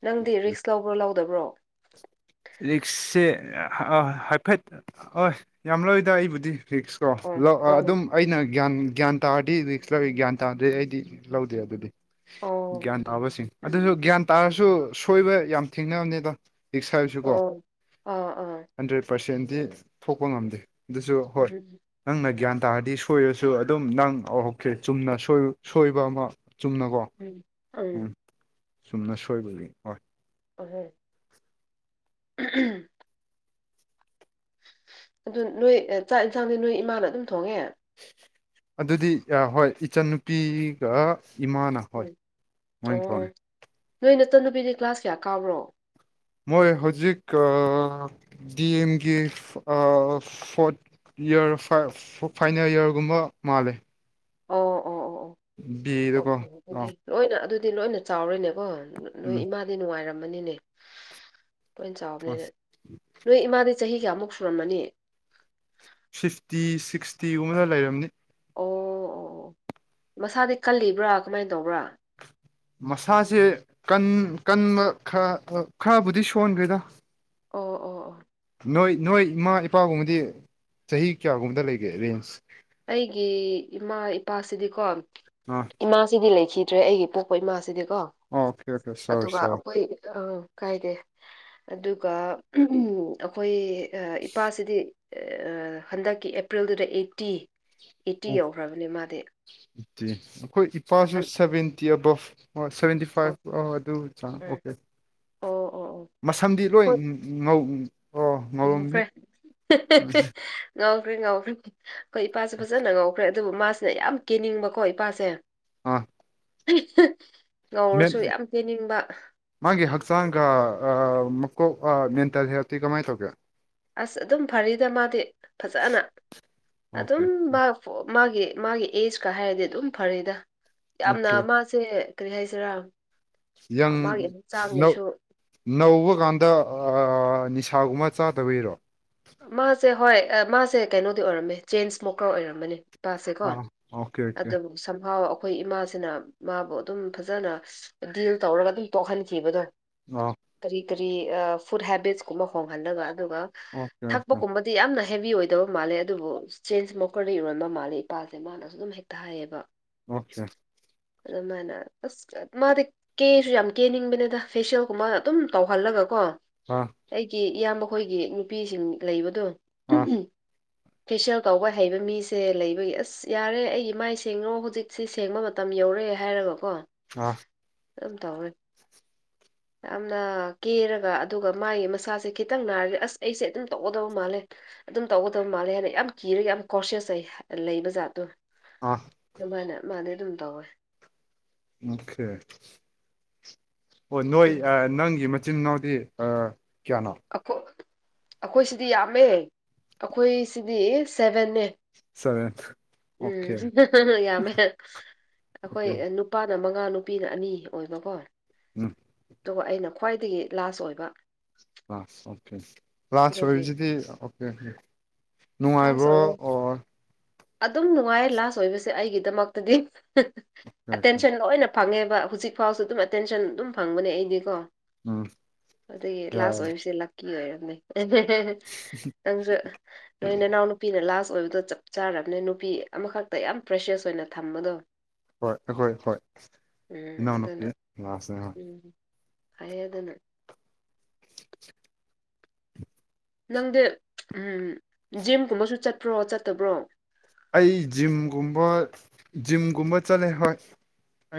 [SPEAKER 1] ꯅꯪꯗꯤ ꯔꯤꯛꯁ ꯂꯧꯕ꯭ꯔꯣ ꯂꯧꯗꯕ꯭ꯔꯣ
[SPEAKER 2] ꯔꯤꯛꯁꯁꯦ ꯑ ꯍꯥꯏꯐꯦꯠ ꯍ ꯌꯥꯝ ꯂꯣꯏꯗ ꯑꯩꯕꯨꯗꯤ ꯐꯤꯛꯁ
[SPEAKER 1] ꯑꯣ
[SPEAKER 2] ꯀꯣ
[SPEAKER 1] ꯑꯣ
[SPEAKER 2] ꯑꯗꯨꯝ ꯑꯩꯅ ꯒ꯭ꯌꯥꯟ ꯒ꯭ꯌꯥꯟ ꯇꯥꯔꯗꯤ ꯔꯤꯛꯁ ꯂꯧꯏ ꯒ꯭ꯌꯥꯟ ꯇꯥꯗ꯭ꯔꯗꯤ ꯑꯩꯗꯤ ꯂꯧꯗꯦ ꯑꯗꯨꯗꯤ
[SPEAKER 1] ꯑꯣ
[SPEAKER 2] ꯒ꯭ꯌꯥꯟ ꯇꯥꯕꯁꯤꯡ ꯑꯗꯨꯁꯨ
[SPEAKER 1] ꯎꯝ
[SPEAKER 2] ꯒ꯭ꯌꯥꯟ ꯇꯥꯔꯁꯨ ꯁꯣꯏꯕ ꯌꯥꯝ ꯊꯦꯡꯅꯕꯅꯤꯗ ꯍꯥꯏꯁꯤꯀꯣ
[SPEAKER 1] ꯑꯣ ꯑꯥ ꯑꯥ
[SPEAKER 2] ꯍꯟꯗ꯭ꯔꯦꯠ ꯄꯥꯔꯁꯦꯟꯗꯤ ꯊꯣꯛꯄ ꯉꯝꯗꯦ ꯑꯗꯨꯁꯨ ꯍꯣꯏ
[SPEAKER 1] ꯎꯝ
[SPEAKER 2] ꯅꯪꯅ ꯒ꯭ꯌꯥꯟ ꯇꯥꯔꯗꯤ ꯁꯣꯏꯔꯁꯨ ꯑꯗꯨꯝ ꯅꯪ ꯍꯧꯔꯛꯈ꯭ꯔꯦ ꯆꯨꯝꯅ ꯁꯣꯏꯕ ꯑꯃ ꯆꯨꯝꯅꯀꯣ ꯎꯝ ꯆꯨꯝꯅ ꯁꯣꯏꯕꯒꯤ ꯍꯣꯏ
[SPEAKER 1] ꯑꯣ ꯍꯣꯏ ꯑꯗꯨ ꯅꯣꯏ ꯆꯥꯛ ꯌꯦꯟꯁꯥꯡꯗꯤ ꯅꯣꯏ ꯏꯃꯥꯅ ꯑꯗꯨꯝ ꯊꯣꯡꯉꯦ
[SPEAKER 2] ꯑꯗꯨꯗꯤ ꯍꯣꯏ ꯏꯆꯟꯅꯨꯄꯤꯒ ꯏꯃꯥꯅ ꯍꯣꯏ
[SPEAKER 1] ꯎꯝ
[SPEAKER 2] ꯃꯣꯏꯅ ꯊꯧꯅꯤ
[SPEAKER 1] ꯑꯣ ꯅꯣꯏ ꯅꯠꯇ ꯅꯨꯄꯤꯗꯤ ꯀ꯭ꯂꯥꯁ ꯀꯌꯥ ꯀꯥꯎ꯭ꯔꯣ
[SPEAKER 2] ꯃꯣꯏ ꯍꯧꯖꯤꯛ ꯗꯤ ꯑꯦꯝꯒꯤ ꯐꯣꯔꯠ ꯏꯔ ꯐꯥꯏꯅꯦꯜ ꯌꯔꯒꯨꯝꯕ ꯃꯥꯜꯂꯦ
[SPEAKER 1] ꯑꯣ ꯑꯣ ꯑꯣ ꯑꯣ
[SPEAKER 2] ꯕꯤ ꯑꯦꯗꯀꯣ
[SPEAKER 1] ꯑꯣꯀꯦ
[SPEAKER 2] ꯑ
[SPEAKER 1] ꯑꯗꯨꯗꯤ ꯂꯣꯏꯅ ꯑꯗꯨꯗꯤ ꯗꯤ ꯂꯣꯏꯅ ꯆꯥꯎꯔꯅꯦꯀꯣ ꯅꯣꯏ
[SPEAKER 2] ꯎꯝ
[SPEAKER 1] ꯏꯃꯥꯗꯤ ꯅꯨꯡꯉꯥꯏꯔꯝꯃꯅꯤꯅꯦ ꯂꯣꯏꯅ ꯆꯥꯎꯕꯅꯤꯅ ꯅꯣꯏ ꯏꯃꯥꯗꯤ ꯆꯍꯤ ꯀꯌꯥꯃꯨꯛ ꯁꯨꯔꯝꯃꯅꯤ
[SPEAKER 2] ꯇꯤꯒꯨꯝ ꯑꯃꯗ ꯂꯩꯔꯝꯅꯤ
[SPEAKER 1] ꯑꯣ ꯑꯣ ꯑꯣ ꯃꯁꯥꯗꯤ ꯀꯜꯂꯤꯕ꯭ꯔꯥ ꯀꯃꯥꯏꯅ ꯇꯧꯕ꯭ꯔꯥ
[SPEAKER 2] ꯃꯁꯥꯁꯦ ꯀꯟꯕ ꯈꯔ ꯈꯔꯕꯨꯗꯤ ꯁꯣꯟꯈꯦꯗ
[SPEAKER 1] ꯑꯣ ꯑꯣ ꯑꯣ
[SPEAKER 2] ꯅꯣꯏ ꯅꯣꯏ ꯏꯃꯥ ꯏꯄꯥꯒꯨꯝꯕꯗꯤ ꯆꯍꯤ ꯀꯌꯥꯒꯨꯝꯕꯗ ꯂꯩꯒꯦ ꯔꯦꯟꯖ
[SPEAKER 1] ꯑꯩꯒꯤ ꯏꯃꯥ ꯏꯄꯥꯁꯤꯗꯤꯀꯣ
[SPEAKER 2] ꯑꯥ
[SPEAKER 1] ꯏꯃꯥꯁꯤꯗꯤ ꯂꯩꯈꯤꯗ ꯅꯠꯇ꯭ꯔꯦ ꯑꯩꯒꯤ ꯄꯣꯛꯄ ꯏꯃꯥꯁꯤꯗꯤꯀꯣ
[SPEAKER 2] ꯑꯣꯀꯦ ꯑꯣꯀꯦ ꯁꯣꯔꯤ
[SPEAKER 1] ꯑꯗꯨꯒ
[SPEAKER 2] ꯁꯣꯔꯤ
[SPEAKER 1] ꯑꯩꯈꯣꯏ ꯑ ꯀꯥꯏꯗꯦ ꯑꯗꯨꯒ ꯑꯩꯈꯣꯏ ꯏꯄꯥꯁꯤꯗꯤ ꯍꯟꯗꯛꯀꯤ ꯑꯦꯄ꯭ꯔꯤꯜꯗꯨꯗ ꯑꯩꯠꯇꯤ ꯑꯩꯠꯇꯤ ꯌꯧꯈ꯭ꯔꯕꯅꯦ ꯃꯥꯗꯤ
[SPEAKER 2] ꯠꯇꯦ ꯑꯩꯈꯣꯏ ꯏꯄꯥꯁꯨ
[SPEAKER 1] ꯑꯍꯟ
[SPEAKER 2] ꯁꯚꯦꯟꯇꯤ ꯑꯕꯞ ꯑꯣ ꯁꯚꯦꯟꯇꯤ
[SPEAKER 1] ꯑꯣ
[SPEAKER 2] ꯐꯥꯏꯚ ꯑꯗꯨ ꯆꯪꯉ
[SPEAKER 1] ꯎꯝ
[SPEAKER 2] ꯑꯣꯀꯦ
[SPEAKER 1] ꯑꯣ ꯑꯣ ꯑꯣ
[SPEAKER 2] ꯃꯁꯝꯗꯤ ꯂꯣꯏ ꯉꯧ ꯑꯣ
[SPEAKER 1] ꯭ꯔꯦ
[SPEAKER 2] ꯉꯧꯔꯝꯅꯤ
[SPEAKER 1] ꯉꯥꯎꯈ꯭ꯔꯤ ꯉꯥꯎꯈ꯭ꯔꯤ ꯑꯩꯈꯣꯏ ꯏꯄꯥꯁꯨꯦ ꯐꯖꯅ ꯉꯧꯈ꯭ꯔꯦ ꯑꯗꯨꯕꯨ ꯃꯥꯁꯤꯅ ꯌꯥꯝ ꯀꯦꯟꯅꯤꯡꯕꯀꯣ ꯏꯄꯥꯁꯦ
[SPEAKER 2] ꯑꯥ
[SPEAKER 1] [inaudible] ꯌꯥꯝ ꯀꯦꯅꯤꯡꯕ
[SPEAKER 2] ꯃꯥꯒꯤ ꯍꯛꯆꯥꯡꯒ ꯃꯀꯣꯛ ꯃꯦꯟꯇꯦꯛꯇꯤ ꯀꯃꯥꯏꯅ ꯇꯧꯒꯦ
[SPEAKER 1] ꯑꯁ ꯑꯗꯨꯝ ꯐꯔꯤꯗ ꯃꯥꯗꯤ ꯐꯖꯅ
[SPEAKER 2] ꯑꯣꯀꯦ
[SPEAKER 1] ꯑꯗꯨꯝ ꯃꯥ ꯃꯥꯒꯤ ꯃꯥꯒꯤ ꯑꯦꯖꯀ ꯍꯥꯏꯔꯗꯤ ꯑꯗꯨꯝ ꯐꯔꯦꯗ ꯌꯥꯝꯅ
[SPEAKER 2] ꯑꯣꯀꯦ
[SPEAKER 1] ꯃꯥꯁꯦ ꯀꯔꯤ ꯍꯥꯏꯁꯔꯥ
[SPEAKER 2] ꯪ ꯅꯧꯕ ꯀꯥꯟꯗ ꯅꯤꯁꯥꯒꯨꯝꯕ ꯆꯥꯗꯕꯕꯤꯔꯣ
[SPEAKER 1] ꯃꯥꯁꯦ ꯍꯣꯏ ꯃꯥꯁꯦ ꯀꯩꯅꯣꯗꯤ ꯑꯣꯏꯔꯝꯃꯦ ꯆꯦꯟꯁ ꯃꯣꯀꯔ ꯑꯣꯏꯔꯝꯃꯅꯤ ꯄꯥꯁꯦꯀꯣ
[SPEAKER 2] ꯑꯥ ꯑꯣꯀꯦ ꯑꯣꯀꯦ
[SPEAKER 1] ꯑꯗꯨꯕꯨ ꯁꯝꯍꯥꯎ ꯑꯩꯈꯣꯏ ꯏꯃꯥꯁꯤꯅ ꯃꯥꯕꯨ ꯑꯗꯨꯝ ꯐꯖꯅ ꯗꯤꯜ ꯇꯧꯔꯒ ꯑꯗꯨꯝ ꯇꯣꯛꯍꯟꯈꯤꯕꯗꯣ
[SPEAKER 2] ꯑ
[SPEAKER 1] ꯐ
[SPEAKER 2] ꯑꯣꯀꯦ ꯑꯣꯀꯦ
[SPEAKER 1] ꯐ ꯍꯦꯕꯤ ꯑꯣꯏꯗꯕ ꯃꯥꯜꯂꯦ ꯑꯗꯨꯕꯨ ꯆꯦꯟꯖ ꯃꯣꯀꯔꯗ ꯏꯔꯣꯟꯕ ꯃꯥꯜꯂꯦ ꯏꯄꯥꯁꯦ ꯃꯥꯅꯁꯨ ꯑꯗꯨꯝ ꯍꯦꯛꯇ ꯍꯥꯏꯌꯦꯕ
[SPEAKER 2] ꯑꯣꯆꯥꯦ
[SPEAKER 1] ꯑꯗꯨꯃꯥꯏꯅ ꯑꯁ ꯃꯥꯗꯤ ꯀꯦꯁꯨ ꯌꯥꯝ ꯀꯦꯅꯤꯡꯕꯅꯤꯗ ꯐꯦꯁꯤꯌꯦꯜꯒꯨꯝꯕ ꯑꯗꯨꯝ ꯇꯧꯍꯜꯂꯒ ꯀꯣ
[SPEAKER 2] ꯑꯥ
[SPEAKER 1] ꯑꯩꯒꯤ ꯏꯌꯥꯝꯕꯈꯣꯏꯒꯤ ꯅꯨꯄꯤꯁꯤꯡ ꯂꯩꯕꯗꯣ
[SPEAKER 2] ꯑꯥ
[SPEAKER 1] ꯐꯦꯁꯤꯌꯦꯜ ꯀꯥꯎꯕ ꯍꯩꯕ ꯃꯤꯁꯦ ꯂꯩꯕꯒꯤ ꯑꯁ ꯌꯥꯔꯦ ꯑꯩꯒꯤ ꯃꯥꯏ ꯁꯦꯡꯅꯣ ꯍꯧꯖꯤꯛꯁꯦ ꯁꯦꯡꯕ ꯃꯇꯝ ꯌꯧ ꯇꯧꯔꯦ ꯍꯥꯏꯔꯒꯀꯣ
[SPEAKER 2] ꯑꯥ
[SPEAKER 1] ꯑꯗꯨꯝ ꯇꯧꯔꯦ ꯌꯥꯝꯅ ꯀꯦꯔꯒ ꯑꯗꯨꯒ ꯃꯥꯒꯤ ꯃꯁꯥꯁꯦ ꯈꯤꯇꯪ ꯅꯥꯔꯒꯦ ꯑꯁ ꯑꯩꯁꯦ ꯑꯗꯨꯝ ꯇꯧꯒꯗꯕ ꯃꯥꯜꯂꯦ ꯑꯗꯨꯝ ꯇꯧꯒꯗꯕ ꯃꯥꯜꯂꯦ ꯍꯥꯏꯅ ꯌꯥꯝ ꯀꯤꯔꯒ ꯌꯥꯝ ꯀꯣꯁꯦꯁꯩ ꯂꯩꯕ ꯖꯥꯠꯇꯣ
[SPEAKER 2] ꯑꯥ
[SPEAKER 1] ꯃꯅꯦ ꯃꯥꯅꯦ ꯑꯗꯨ ꯇꯎꯦ
[SPEAKER 2] ꯑꯣꯀꯦ ꯑꯣ ꯅꯣꯏ ꯅꯪꯒꯤ ꯆ ꯅꯎꯗꯤ ꯑ
[SPEAKER 1] ꯑꯩꯈꯣꯏ ꯁꯤꯗꯤ ꯌꯥꯝꯃꯦ ꯑꯩꯈꯣꯏ ꯁꯤꯗꯤ ꯁ ꯉꯅꯦ
[SPEAKER 2] ꯁꯚꯦꯟ ꯑꯣꯀꯦ
[SPEAKER 1] ꯎꯝ ꯌꯥꯝꯃꯦ
[SPEAKER 2] ꯑꯣꯀꯦ
[SPEAKER 1] ꯑꯩꯈꯣꯏ ꯅꯨꯄꯥ ꯅ ꯃꯉꯥ ꯅꯨꯄꯤꯅ ꯑꯅꯤ ꯑꯣꯏꯕꯀꯣ
[SPEAKER 2] ꯎꯝ
[SPEAKER 1] ꯑꯗꯨꯒ ꯑꯩꯅ ꯈ꯭ꯋꯥꯏꯗꯒꯤ ꯂꯥꯁ ꯑꯣꯏꯕ
[SPEAKER 2] ꯑꯥ ꯑꯣꯀꯦ ꯂꯥꯁ
[SPEAKER 1] ꯑꯗꯨꯒꯤ
[SPEAKER 2] ꯑꯣꯏꯔꯤꯁꯤꯗꯤ ꯑꯣꯀꯦ
[SPEAKER 1] ꯂꯥꯁ
[SPEAKER 2] ꯅꯨꯡꯉꯥꯏꯕ꯭ꯔꯣ
[SPEAKER 1] ꯑꯣꯏꯌꯦ
[SPEAKER 2] ꯑꯣ
[SPEAKER 1] ꯑꯗꯨꯝ ꯅꯨꯡꯉꯥꯏ ꯂꯥꯁ ꯑꯣꯏꯕꯁꯦ ꯑꯩꯒꯤꯗꯃꯛꯇꯗꯤ ꯑꯦꯇꯦꯟꯁꯟ ꯂꯣꯏꯅ ꯐꯪꯉꯦꯕ ꯍꯧꯖꯤꯛ ꯐꯥꯎꯁꯨ ꯑꯗꯨꯝ ꯑꯦꯇꯦꯟꯁꯟ ꯑꯗꯨꯝ ꯐꯪꯕꯅꯦ ꯑꯩꯗꯤꯀꯣ
[SPEAKER 2] ꯎꯝ
[SPEAKER 1] ꯑꯗꯒꯤ ꯂꯥꯁ
[SPEAKER 2] ꯌꯥꯏ
[SPEAKER 1] ꯑꯣꯏꯕꯁꯦ ꯂꯛꯀꯤ ꯑꯣꯏꯔꯝꯃꯦ ꯅꯪꯁꯨ ꯅꯣꯏ ꯏꯅꯥꯎꯅ ꯅꯨꯄꯤꯗ ꯂꯥꯁ ꯑꯣꯏꯕꯗꯣ ꯆꯞ ꯆꯥꯔꯕꯅꯦ ꯅꯨꯄꯤ ꯑꯃꯈꯛꯇ ꯌꯥꯝ ꯐ꯭ꯔꯦꯁꯦꯁ ꯑꯣꯏꯅ ꯊꯝꯕꯗꯣ
[SPEAKER 2] ꯍꯣꯏ ꯑꯩꯈꯣꯏ ꯍꯣꯏ
[SPEAKER 1] ꯎꯝ
[SPEAKER 2] ꯏꯅꯥꯎꯅꯨꯄꯤ ꯂꯥꯛꯑꯁꯦ ꯍꯣꯏ
[SPEAKER 1] ꯋꯗꯅ ꯅꯪꯗꯤ ꯎꯝ ꯖꯤꯝꯒꯨꯝꯕꯁꯨ ꯆꯠꯄ꯭ꯔꯣ ꯆꯠꯇꯕ꯭ꯔꯣ
[SPEAKER 2] ꯑꯩ ꯖꯤꯝꯒꯨꯝꯕ ꯖꯤꯝꯒꯨꯝꯕ ꯆꯠꯂꯦ ꯍꯣꯏ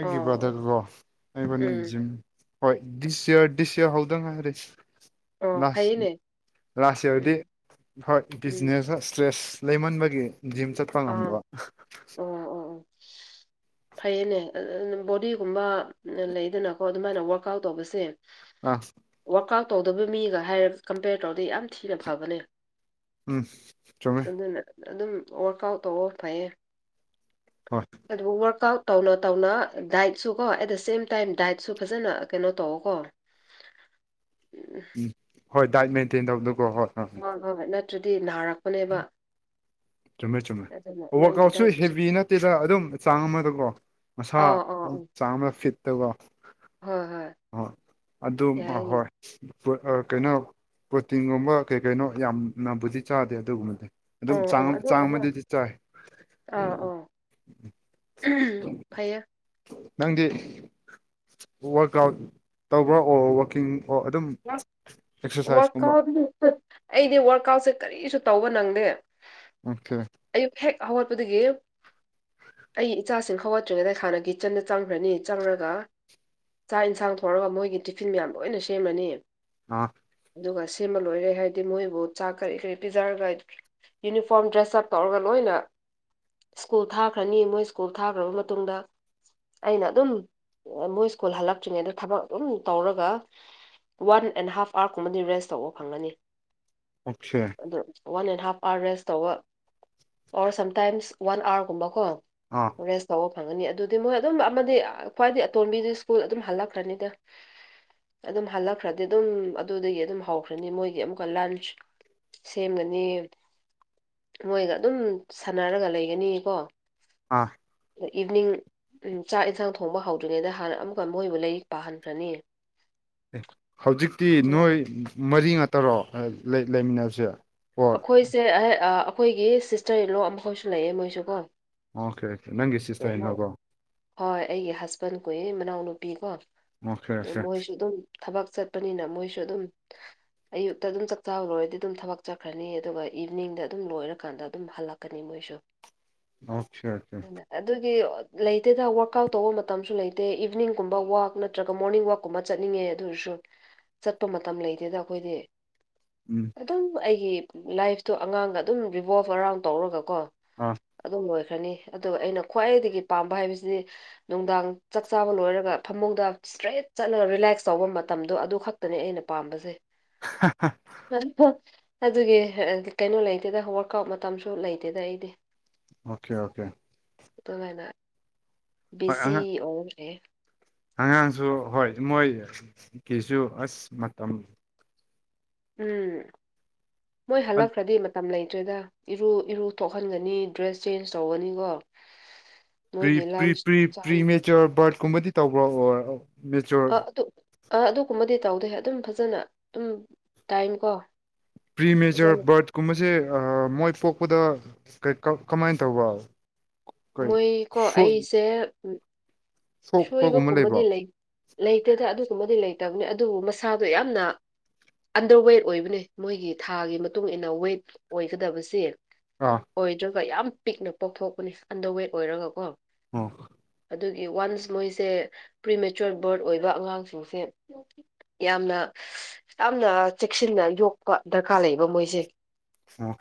[SPEAKER 1] ꯑꯣ ꯑꯣ
[SPEAKER 2] ꯗꯀꯣ ꯑꯩꯕꯅꯤ
[SPEAKER 1] ꯎꯝ
[SPEAKER 2] ꯖꯤꯝ ꯍꯣꯏ ꯗꯤꯁ ꯌꯔ ꯗꯤꯁ ꯌꯔ ꯍꯧꯗꯪ ꯍꯥꯏꯔꯁꯤ
[SPEAKER 1] ꯑꯣ ꯐꯩꯌꯦꯅꯦ
[SPEAKER 2] ꯂꯥꯁ ꯍꯧꯗꯤ
[SPEAKER 1] ꯎꯝ
[SPEAKER 2] ꯍꯣꯏ
[SPEAKER 1] ꯎꯝ
[SPEAKER 2] ꯕꯤꯖꯤꯅꯦꯁ ꯏꯁ꯭ꯇ꯭ꯔꯦꯁ ꯂꯩꯃꯟꯕꯒꯤ ꯖꯤꯝ ꯆꯠꯄ ꯉꯝꯗꯕ
[SPEAKER 1] ꯑꯥ ꯑꯣ ꯑꯣ ꯑꯣ ꯐꯩꯌꯦꯅꯦ ꯕꯣꯗꯤꯒꯨꯝꯕ ꯂꯩꯗꯅꯀꯣ ꯑꯗꯨꯃꯥꯏꯅ ꯋꯥꯔꯛꯑꯥꯎꯠ ꯇꯧꯕꯁꯦ
[SPEAKER 2] ꯑ
[SPEAKER 1] ꯋꯥꯔꯛ ꯑꯥꯎꯠ ꯇꯧꯗꯕ ꯃꯤꯒ ꯍꯥꯏꯔ ꯀꯝꯄꯦꯌꯔ ꯇꯧꯔꯗꯤꯩ ꯌꯥꯝ ꯊꯤꯅ ꯐꯕꯅꯦ
[SPEAKER 2] ꯎꯝ ꯆꯃꯦ
[SPEAKER 1] ꯑꯗꯨꯅ ꯑꯗꯨꯝ ꯋꯥꯔꯛ ꯑꯥꯎꯠ ꯇꯧꯑꯣ ꯐꯩꯌꯦ
[SPEAKER 2] ꯍꯣꯏ
[SPEAKER 1] ꯑꯗꯨꯕꯨ ꯋꯥꯔꯛ ꯋꯥꯋꯔꯛ ꯑꯥꯎꯠ ꯇꯧꯅ ꯇꯧꯅ ꯗꯥꯏꯠꯁꯨ ꯀꯣ ꯑꯦꯠ ꯗ ꯁꯦꯝ ꯇꯥꯏꯝ ꯗꯥꯏꯠꯁꯨ ꯐꯖꯅ ꯀꯩꯅꯣ ꯇꯧꯋ ꯀꯣ
[SPEAKER 2] ꯎꯝ ꯍꯣꯏ ꯗꯥꯏꯠ ꯃꯦꯟꯇꯦꯟ ꯇꯧꯕꯗ
[SPEAKER 1] ꯍꯣꯏ ꯍꯣꯏ ꯍꯣꯏ ꯅꯠꯇ꯭ꯔꯗꯤ ꯅꯥꯔꯛꯄꯅꯦꯕ
[SPEAKER 2] ꯆꯨꯝꯃꯦ ꯆꯨꯝꯃꯦ
[SPEAKER 1] ꯑꯗꯨꯅ
[SPEAKER 2] ꯋꯥꯔꯛ
[SPEAKER 1] ꯅꯪꯒꯤ
[SPEAKER 2] ꯑꯥꯎꯠꯁꯨ
[SPEAKER 1] ꯗꯥꯏꯠꯇꯨꯁꯨ
[SPEAKER 2] ꯍꯦꯚ ꯅꯠꯇꯦꯗ ꯑꯗꯨꯝ ꯆꯥꯡ ꯑꯃꯗꯀꯣ ꯃꯁꯥ
[SPEAKER 1] ꯑꯥ ꯑꯥ
[SPEAKER 2] ꯑꯗꯨꯝ
[SPEAKER 1] ꯎꯝ
[SPEAKER 2] ꯆꯥꯡ ꯑꯃꯗ ꯐꯤꯠ ꯑꯗꯨꯒ
[SPEAKER 1] ꯍꯣꯏ ꯍꯣꯏ
[SPEAKER 2] ꯍ ꯑꯗꯨ
[SPEAKER 1] ꯌꯥꯏꯅꯦ
[SPEAKER 2] ꯍꯣꯏ ꯀꯩꯅꯣ ꯄ꯭ꯔꯣꯇꯤꯟꯒꯨꯝꯕ ꯀꯩ ꯀꯩꯅꯣ ꯌꯥꯝꯅꯕꯨꯗꯤ ꯆꯥꯗꯦ ꯑꯗꯨꯒꯨꯝꯕꯗꯤ ꯑꯗꯨꯝ
[SPEAKER 1] ꯑꯥ
[SPEAKER 2] ꯆꯥꯡ
[SPEAKER 1] ꯑꯥ ꯑꯗꯨ
[SPEAKER 2] ꯆꯥꯡ
[SPEAKER 1] ꯍꯣꯏ
[SPEAKER 2] ꯑꯃꯗꯤꯗꯤ ꯆꯥꯏ
[SPEAKER 1] ꯐꯌꯦ
[SPEAKER 2] ꯅꯪꯗꯤ ꯋꯥꯔꯛ ꯑꯥꯎꯠ ꯇꯧꯕ꯭ꯔꯥ ꯑꯣꯔ ꯋꯔꯥꯛꯀꯤꯡ
[SPEAKER 1] ꯋꯥꯔꯥꯎꯠ ꯑꯩꯗꯤ ꯋꯥꯔꯛꯀꯥꯎꯠꯁꯦ ꯀꯔꯤꯁꯨ ꯇꯧꯕ ꯅꯪꯗꯦ
[SPEAKER 2] ꯑꯣꯀꯦ
[SPEAKER 1] ꯑꯥ ꯑꯣꯏꯄꯗꯨꯒꯦ ꯑꯩꯒꯤ ꯏꯆꯥꯁꯤꯡ ꯍꯧꯒꯠꯇ꯭ꯔꯤꯉꯩꯗ ꯍꯥꯟꯅ ꯀꯤꯆꯟꯗ ꯆꯪꯈ꯭ꯔꯅꯤ ꯆꯪꯉꯒ ꯆꯥꯛ ꯌꯦꯟꯁꯥꯡ ꯊꯣꯡꯔꯒ ꯃꯣꯏꯒꯤ ꯇꯤꯐꯤꯟ ꯃꯌꯥꯝ ꯂꯣꯏꯅ ꯁꯦꯝꯂꯅꯤ
[SPEAKER 2] ꯑꯥ
[SPEAKER 1] ꯑꯗꯨꯒ ꯁꯤꯃ ꯂꯣꯏꯔꯦ ꯍꯥꯏꯗꯤ ꯃꯣꯏꯕꯨ ꯆꯥꯛ ꯀꯔꯤ ꯀꯔꯤ ꯄꯤꯖꯔꯒ ꯌꯨꯅꯤꯐꯣꯔꯝ ꯗ꯭ꯔꯦꯁꯑꯞ ꯇꯧꯔꯒ ꯂꯣꯏꯅ ꯁ꯭ꯀꯨꯜ ꯊꯥꯈ꯭ꯔꯅꯤ ꯃꯣꯏ ꯁ꯭ꯀꯨꯜ ꯊꯥꯈ꯭ꯔꯕ ꯃꯇꯨꯡꯗ ꯑꯩꯅ ꯑꯗꯨꯝ ꯃꯣꯏ ꯁ꯭ꯀꯨꯜ ꯍꯜꯂꯛꯇ꯭ꯔꯤꯉꯩ ꯑꯗ ꯊꯕꯛ ꯑꯗꯨꯝ ꯇꯧꯔꯒ ꯋꯥꯟ ꯑꯦꯟ ꯍꯥꯐ ꯑꯥꯔ ꯀꯨꯝꯕꯗꯤ ꯔꯦꯁ ꯇꯧꯕ ꯐꯪꯒꯅꯤ
[SPEAKER 2] ꯑꯆꯥꯦ
[SPEAKER 1] ꯑꯗꯨ one and half hour rest ꯇꯧꯕ ꯑꯣꯔ ꯁꯝꯇꯥꯏꯝꯁ ꯋꯥꯟ ꯑꯥꯋꯥꯔꯒꯨꯝꯕꯀꯣ
[SPEAKER 2] ꯑꯥ
[SPEAKER 1] ꯑꯣꯔꯦ ꯁ ꯐꯪꯒꯅꯤ ꯑꯗꯨꯗꯤ ꯃꯣꯏ ꯑꯗꯨꯝ ꯑꯃꯗꯤ ꯈ꯭ꯋꯥꯏꯗꯒꯤ ꯑꯇꯣꯟꯝꯕꯤꯗꯨ ꯁ꯭ꯀꯨꯜ ꯑꯗꯨꯝ ꯍꯜꯂꯛꯈ꯭ꯔꯅꯤꯗ ꯑꯗꯨꯝ ꯍꯜꯂꯛꯈ꯭ꯔꯗꯤ ꯑꯗꯨꯝ ꯑꯗꯨꯗꯒꯤ ꯑꯗꯨꯝ ꯍꯧꯈ꯭ꯔꯅꯤ ꯃꯣꯏꯒꯤ ꯑꯃꯨꯛꯀ ꯂꯟꯆ ꯁꯦꯝꯒꯅꯤ ꯃꯣꯏꯒ ꯑꯗꯨꯝ ꯁꯥꯟꯅꯔꯒ ꯂꯩꯒꯅꯤꯀꯣ
[SPEAKER 2] ꯑꯥ
[SPEAKER 1] ꯏꯚꯅꯤꯡ ꯎꯝ ꯆꯥꯛ ꯏꯟꯁꯥꯡ ꯊꯣꯡꯕ ꯍꯧꯗ꯭ꯔꯤꯉꯩꯗ ꯍꯥꯟꯅ ꯑꯃꯨꯛꯀ ꯃꯣꯏꯕꯨ ꯂꯥꯏꯔꯤꯛ ꯄꯥꯍꯟꯈ꯭ꯔꯅꯤ
[SPEAKER 2] ꯑꯦ ꯍꯧꯖꯤꯛꯇꯤ ꯅꯣꯏ ꯃꯔꯤ ꯉꯥꯛꯇꯔꯣ ꯂꯩꯃꯤꯟꯅꯕꯁꯦ ꯍꯣꯏ
[SPEAKER 1] ꯑꯩꯈꯣꯏꯁꯦ ꯑꯩꯈꯣꯏꯒꯤ ꯁꯤꯁꯇꯔ ꯏꯠꯂꯣ ꯑꯃꯈꯣꯏꯁꯨ ꯂꯩꯌꯦꯦ ꯃꯣꯏꯁꯨ ꯀꯣ
[SPEAKER 2] ꯑꯣꯀꯦ ꯑꯣꯀꯦ ꯅꯪꯒꯤ ꯁꯤꯁꯥꯏꯅꯣꯕꯣ
[SPEAKER 1] ꯍꯣꯏ ꯑꯩꯒꯤ ꯍꯁꯕꯦꯟ ꯀꯨꯏ ꯏ ꯃꯅꯥꯎꯅꯨꯄꯤꯀꯣ
[SPEAKER 2] ꯑꯣꯀꯦ
[SPEAKER 1] ꯑꯗ
[SPEAKER 2] ꯑꯣꯀꯦ
[SPEAKER 1] ꯃꯣꯏꯁꯨ ꯑꯗꯨꯝ ꯊꯕꯛ ꯆꯠꯄꯅꯤꯅ ꯃꯣꯏꯁꯨ ꯑꯗꯨꯝ ꯑꯌꯨꯛꯇ ꯑꯗꯨꯝ ꯆꯥꯛꯆꯥꯍꯧꯔꯨꯔꯗꯤ ꯑꯗꯨꯝ ꯊꯕꯛ ꯆꯠꯈ꯭ꯔꯅꯤ ꯑꯗꯨꯒ ꯏꯚꯤꯅꯤꯡꯗ ꯑꯗꯨꯝ ꯂꯣꯏꯔꯀꯥꯟꯗ ꯑꯗꯨꯝ ꯍꯜꯂꯛꯀꯅꯤ ꯃꯣꯏꯁꯨ
[SPEAKER 2] ꯑꯆꯥ ꯑꯆꯥ
[SPEAKER 1] ꯑꯗꯨꯒꯤ ꯂꯩꯇꯦꯗ ꯋꯥꯋꯔꯛ ꯑꯥꯎꯠ ꯇꯧꯕ ꯃꯇꯝꯁꯨ ꯂꯩꯇꯦ ꯏꯚꯅꯤꯡꯒꯨꯝꯕ ꯋꯥꯛ ꯅꯠꯇ꯭ꯔꯒ ꯃꯣꯔꯅꯤꯡ ꯋꯥꯛꯀꯨꯝꯕ ꯆꯠꯅꯤꯡꯉꯦ ꯑꯗꯨꯁꯨ ꯆꯠꯄ ꯃꯇꯝ ꯂꯩꯇꯦꯗ ꯑꯩꯈꯣꯏꯗꯤ
[SPEAKER 2] ꯎꯝ
[SPEAKER 1] ꯑꯗꯨꯝ ꯑꯩꯒꯤ ꯂꯥꯏꯐꯇꯣ ꯑꯉꯥꯡꯒ ꯑꯗꯨꯝ ꯔꯤꯚꯣꯜꯕ ꯑꯔꯥꯎꯟ ꯇꯧꯔꯒꯀꯣ
[SPEAKER 2] ꯑꯥ
[SPEAKER 1] ꯑꯗꯨꯝ ꯂꯣꯏꯈ꯭ꯔꯦ ꯈ꯭ꯔꯅꯤ ꯑꯗꯨꯒ ꯑꯩꯅ ꯈ꯭ꯋꯥꯏꯗꯒꯤ ꯄꯥꯝꯕ ꯍꯥꯏꯕꯁꯤꯗꯤ ꯅꯨꯡꯗꯥꯡ ꯆꯥꯛ ꯆꯥꯕ ꯂꯣꯏꯔꯒ ꯐꯃꯨꯡꯗ ꯏꯁꯇ꯭ꯔꯦꯠ ꯆꯠꯂ ꯔꯤꯂꯦꯛꯁ ꯇꯧꯕ ꯃꯇꯝꯗꯣ ꯑꯗꯨ ꯈꯛꯇꯅꯦ ꯑꯩꯅ ꯄꯥꯝꯕꯁꯦ ꯍ ꯐ ꯑꯗꯨꯒꯤ ꯀꯩꯅꯣ ꯂꯩꯇꯦꯗ ꯋꯥꯔꯛ ꯑꯥꯎꯠ ꯃꯇꯝꯁꯨ ꯂꯩꯇꯦꯗ ꯑꯩꯗꯤ
[SPEAKER 2] ꯑꯣꯀꯦ ꯑꯣꯀꯦ
[SPEAKER 1] ꯑꯗꯨꯃꯥꯏꯅ
[SPEAKER 2] ꯍꯣꯏ
[SPEAKER 1] ꯕꯤꯖꯤ
[SPEAKER 2] ꯑꯉꯥꯡ
[SPEAKER 1] ꯑꯣꯏꯈ꯭ꯔꯦ
[SPEAKER 2] ꯑꯉꯥꯡꯁꯨ ꯍꯣꯏ ꯃꯣꯏꯒꯤꯁꯨ ꯑꯁ ꯃꯇꯝ
[SPEAKER 1] ꯎꯝ ꯃꯣꯏ ꯍꯜꯂꯛꯈ꯭ꯔꯗꯤ ꯃꯇꯝ ꯂꯩ ꯅꯠꯇ꯭ꯔꯦꯗ ꯏꯔꯨ ꯏꯔꯨ ꯊꯣꯛꯍꯟꯒꯅꯤ ꯗ꯭ꯔꯦꯁ ꯆꯦꯟꯖ ꯇꯧꯒꯅꯤꯀꯣ
[SPEAKER 2] ꯔꯤ
[SPEAKER 1] ꯃꯣꯏꯒꯤ ꯂꯟꯁ
[SPEAKER 2] ꯄ꯭ꯔꯤ
[SPEAKER 1] ꯆꯥꯍꯟ
[SPEAKER 2] ꯃꯦꯆꯣꯔ ꯕꯥꯔꯠꯀꯨꯝꯕꯗꯤ ꯇꯧꯕ꯭ꯔꯣ ꯑꯣ ꯃꯦꯆꯣꯔ
[SPEAKER 1] ꯑꯥ ꯑꯗꯨ ꯑꯥ ꯑꯗꯨꯒꯨꯝꯕꯗꯤ ꯇꯧꯗꯦ ꯑꯗꯨꯝ ꯐꯖꯅ ꯑꯗꯨꯝ ꯇꯥꯏꯝꯀꯣ
[SPEAKER 2] ꯄ꯭ꯔꯤ ꯃꯦꯖꯔ ꯕꯥꯔꯠ ꯀꯨꯝꯕꯁꯦ ꯃꯣꯏ ꯄꯣꯛꯄꯗ ꯀꯃꯥꯏꯅ ꯇꯧꯕ ꯀꯩ
[SPEAKER 1] ꯃꯣꯏ ꯀꯣ ꯑꯩꯁꯦ
[SPEAKER 2] ꯁꯣꯛꯄꯒꯨꯝꯕ ꯂꯩꯕ꯭ꯔꯣ
[SPEAKER 1] ꯁꯣꯏꯕꯒꯨꯝꯕꯗꯤ ꯂꯩꯇꯦꯗ ꯑꯗꯨ ꯨꯝꯕꯗꯤ ꯂꯩꯇꯕꯅꯤ ꯑꯗꯨꯕꯨ ꯃꯁꯥꯗꯣ ꯌꯥꯝꯅ ꯑꯟꯗꯔ ꯋꯦꯠ ꯑꯣꯏꯕꯅꯦ ꯃꯣꯏꯒꯤ ꯊꯥꯒꯤ ꯃꯇꯨꯡ ꯏꯟꯅ ꯋꯦꯠ ꯑꯣꯏꯒꯗꯕꯁꯦ
[SPEAKER 2] ꯑꯥ
[SPEAKER 1] ꯑꯣꯏꯗ꯭ꯔꯒ ꯌꯥꯝ ꯄꯤꯛꯅ ꯄꯣꯛꯊꯣꯛꯄꯅꯤ ꯑꯟꯗ ꯋꯦꯠ ꯑꯣꯏꯔꯒ ꯀꯣ
[SPEAKER 2] ꯎ
[SPEAKER 1] ꯑꯗꯨꯒꯤ ꯋꯥꯟꯁ ꯃꯣꯏꯁꯦ ꯄ꯭ꯔꯤ ꯃꯦꯆꯣꯔ ꯕꯥꯔꯠ ꯑꯣꯏꯕ ꯑꯉꯥꯡꯁꯤꯡꯁꯦ ꯌꯥꯝꯅ ꯌꯥꯝꯅ ꯆꯦꯛꯁꯤꯟꯅ ꯌꯣꯛꯄ ꯗꯔꯀꯥꯔ ꯂꯩꯌꯦꯕ ꯃꯣꯏꯁꯦ
[SPEAKER 2] ꯑꯣ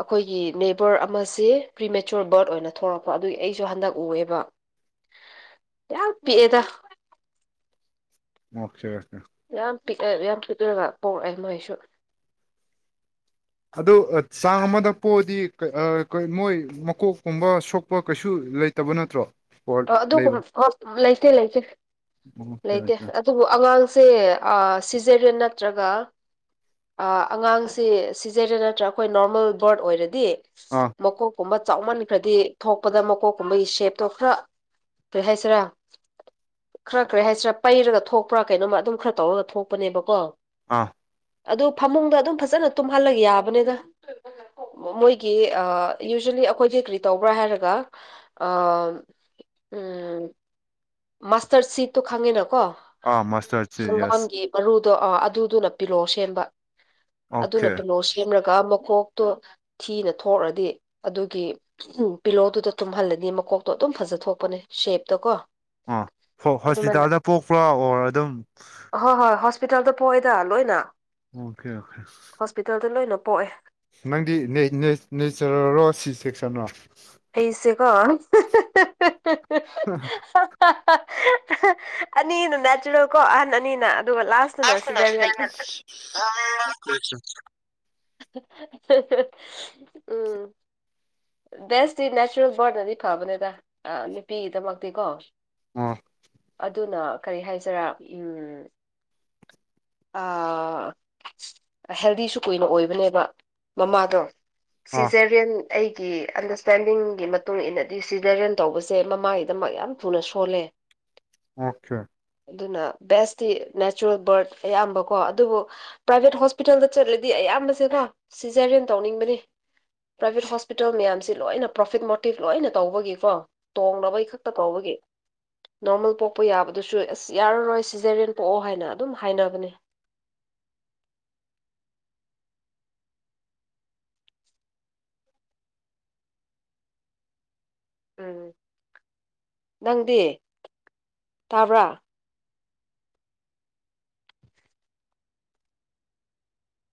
[SPEAKER 1] ꯑꯩꯈꯣꯏꯒꯤ ꯅꯦꯕꯔ ꯑꯃꯦ ꯄ꯭ꯔꯤ ꯃꯦꯆꯣꯔ ꯕꯔꯠ ꯑꯣꯏꯅ ꯊꯣꯛꯂꯛꯄ ꯑꯗꯨꯒꯤ ꯑꯩꯁꯨ ꯍꯟꯗꯛ ꯎꯑꯦꯕ
[SPEAKER 2] [inaudible]
[SPEAKER 1] ꯌꯥꯄꯤꯤꯗ
[SPEAKER 2] ꯃꯁꯒꯁꯦ
[SPEAKER 1] ꯌꯥꯝ ꯄꯤꯛꯑꯦ ꯌꯥꯝ ꯄꯤꯛꯂꯨꯔꯒ ꯄꯣꯛꯔꯛꯑꯦ ꯃꯣꯏꯁꯨ
[SPEAKER 2] ꯑꯗꯨ ꯆꯥꯡ ꯑꯃꯗ ꯄꯣꯛꯑꯗꯤ ꯃꯣꯏ ꯃꯀꯣꯛꯀꯨꯝꯕ ꯁꯣꯛꯄ ꯀꯩꯁꯨ ꯂꯩꯇꯕ ꯅꯠꯇ꯭ꯔꯣ
[SPEAKER 1] ꯑꯣ ꯑꯗꯨꯒꯨꯝ ꯍ ꯂꯩꯇꯦ ꯂꯩꯇꯦ
[SPEAKER 2] ꯑꯣꯀꯦ
[SPEAKER 1] ꯂꯩꯇꯦ
[SPEAKER 2] ꯑꯣꯀꯦ
[SPEAKER 1] ꯑꯗꯨꯕꯨ ꯑꯉꯥꯡ ꯁꯦ ꯁꯤꯖꯔꯤꯌꯟ ꯅꯠꯇ꯭ꯔꯒ ꯑꯉꯥꯡꯁꯦ ꯁꯤꯖꯔꯦ ꯅꯠꯇ꯭ꯔꯥ ꯑꯩꯈꯣꯏ ꯅꯣꯔꯃꯦꯜ ꯕꯣꯔꯠ ꯑꯣꯏꯔꯗꯤ
[SPEAKER 2] ꯑꯥ
[SPEAKER 1] ꯃꯀꯣꯛꯀꯨꯝꯕ ꯆꯥꯎꯃꯟꯈ꯭ꯔꯗꯤ ꯊꯣꯛꯄꯗ ꯃꯀꯣꯛꯀꯨꯝꯕꯒꯤ ꯁꯦꯞꯇꯣ ꯈꯔ ꯄꯍꯥꯏꯁ꯭ꯔ ꯈꯔ ꯈꯔꯦ ꯍꯥꯏꯁꯤꯔꯥ ꯄꯩꯔꯒ ꯊꯣꯛꯄ꯭ꯔꯥ ꯀꯩꯅꯣꯝꯃ ꯑꯗꯨꯝ ꯈꯔ ꯇꯧꯔꯒ ꯊꯣꯛꯄꯅꯦꯕꯀꯣ
[SPEAKER 2] ꯑꯥ
[SPEAKER 1] ꯑꯗꯨ ꯐꯃꯨꯡꯗ ꯑꯗꯨꯝ ꯐꯖꯅ ꯇꯨꯝꯍꯜꯂꯒ ꯌꯥꯕꯅꯤꯗ ꯃꯣꯏꯒꯤ ꯌꯨꯖ꯭ꯋꯦꯂꯤ ꯑꯩꯈꯣꯏꯗꯤ ꯀꯔꯤ ꯇꯧꯕ꯭ꯔꯥ ꯍꯥꯏꯔꯒ ꯎꯝ ꯃꯥꯁꯇꯔ ꯁꯤꯠꯇꯣ ꯈꯪꯉꯤꯅ ꯀꯣ
[SPEAKER 2] ꯑꯥ ꯃꯥꯁꯇꯔꯁꯦ ꯌꯦꯁ
[SPEAKER 1] ꯁꯪꯒꯝꯒꯤ ꯃꯔꯔꯨ ꯣ ꯑꯗꯨꯗꯨꯅ ꯄꯤꯂꯣ ꯁꯦꯝꯕ ꯑꯗꯨꯅ
[SPEAKER 2] ꯑꯣꯀꯦ
[SPEAKER 1] ꯄꯤꯂꯣ ꯁꯦꯝꯔꯒ ꯃꯀꯣꯛ ꯇꯣ ꯊꯤꯅ ꯊꯣꯛꯑꯗꯤ ꯑꯗꯨꯒꯤ ꯄꯤꯂꯣꯗꯨꯗ ꯇꯨꯝꯍꯜꯂꯅꯤ ꯃꯀꯣꯛꯇꯣ ꯑꯗꯨꯝ ꯐꯖ ꯐꯖꯊꯣꯛꯄꯅꯦ ꯁꯦꯞꯇ ꯀꯣ
[SPEAKER 2] ꯑꯥ
[SPEAKER 1] ꯑꯗꯨꯃꯥꯏꯅ
[SPEAKER 2] ꯍꯣꯁꯄꯤꯇꯥꯜꯗ ꯄꯣꯛꯄ꯭ꯔꯥ ꯑꯣꯔ ꯑꯗꯨꯝ
[SPEAKER 1] ꯍꯣꯏ ꯍꯣꯏ ꯍꯣꯁꯄꯤꯇꯥꯜꯗ ꯄꯣꯛꯑꯏꯗ ꯂꯣꯏꯅ
[SPEAKER 2] ꯑꯣꯀꯦ ꯑꯣꯀꯦ
[SPEAKER 1] ꯍꯣꯁꯄꯤꯇꯥꯜꯗ ꯂꯣꯏꯅ ꯄꯣꯛꯑꯦ
[SPEAKER 2] ꯅꯪꯗꯤ ꯅꯩꯆꯔꯔꯣ ꯁꯤ ꯆꯦꯛ ꯆꯟ꯭ꯔꯣ
[SPEAKER 1] ꯑꯩꯁꯦ ꯀꯣ ꯑꯅꯤꯅ ꯅꯦꯆꯔꯦꯜ ꯀꯣ ꯑꯍꯟ ꯑꯅꯤꯅ ꯑꯗꯨꯒ ꯂꯥꯁꯇꯅ
[SPEAKER 2] ꯑꯁꯗꯣꯁꯤꯗ
[SPEAKER 1] ꯁꯤꯖꯔꯤꯌꯟ
[SPEAKER 2] ꯅ
[SPEAKER 1] ꯎꯝ ꯕꯦꯁꯇꯤ ꯅꯦꯆꯔꯦꯜ ꯕꯣꯔꯅꯗꯤ ꯐꯕꯅꯦꯗ ꯅꯨꯄꯤꯒꯤꯗꯃꯛꯇꯤ ꯀꯣ
[SPEAKER 2] ꯑꯣ
[SPEAKER 1] ꯑꯗꯨꯅ ꯀꯔꯤ ꯍꯥꯏꯁꯤꯔꯥ ꯎꯝ ꯍꯦꯜꯗꯤꯁꯨ ꯀꯨꯏꯅ ꯑꯣꯏ ꯅꯦꯕ ꯃꯃꯥꯗꯣ
[SPEAKER 2] ꯑꯥ
[SPEAKER 1] ꯁꯤꯖꯔꯤꯌꯟ ꯑꯩꯒꯤ ꯑꯟꯗꯔꯁꯇꯦꯟꯗꯤꯡꯒꯤ ꯃꯇꯨꯡ ꯏ ꯃꯇꯨꯡꯏꯟꯅꯗꯤ ꯁꯤꯗꯔꯦꯟ ꯇꯧꯕꯁꯦ ꯃꯃꯥꯒꯤꯗꯃꯛ ꯌꯥꯝ ꯊꯨꯅ ꯁꯣꯜꯂꯦ
[SPEAKER 2] ꯑꯣꯆꯥꯦ
[SPEAKER 1] ꯑꯗꯨꯅ ꯕꯦꯁꯇꯤ ꯅꯦꯆꯔꯦꯜ ꯕꯔꯠ ꯑꯌꯥꯝꯕ ꯀꯣ ꯑꯗꯨꯕꯨ ꯄ꯭ꯔꯥꯏꯚꯦꯠ ꯍꯣꯁꯄꯤꯇꯥꯜꯗ ꯆꯠꯂꯗꯤ ꯑꯌꯥꯝꯕ ꯣ ꯁꯤꯖꯔꯦꯟ ꯇꯧꯅꯤꯡꯕꯅꯦ ꯄ꯭ꯔꯥꯏꯚꯦꯠ ꯍꯣꯁꯄꯤꯇꯥꯜ ꯃꯌꯥꯝꯁꯤ ꯂꯣꯏꯅ ꯄ꯭ꯔꯣꯐꯤꯠ ꯃꯣꯇꯤꯚ ꯂꯣꯏꯅ ꯇꯧꯕꯒꯤꯀꯣ ꯇꯣꯡꯂꯅꯕꯩ ꯈꯛꯇ ꯀꯧꯕꯒꯤ ꯀ ꯅꯣꯔꯃꯦꯜ ꯄꯣꯛꯄ ꯌꯥꯕꯗꯨꯁꯨ ꯑꯁ ꯌꯥꯔꯔꯣꯏ ꯁꯤꯖꯔꯦꯟ ꯄꯣꯛꯑꯣ ꯍꯥꯏꯅ ꯑꯗꯨꯝ ꯍꯥꯏꯅꯕꯅꯦ
[SPEAKER 2] ꯑ
[SPEAKER 1] ꯎꯝ ꯅꯪꯗꯤ ꯇꯥꯕ꯭ꯔꯥ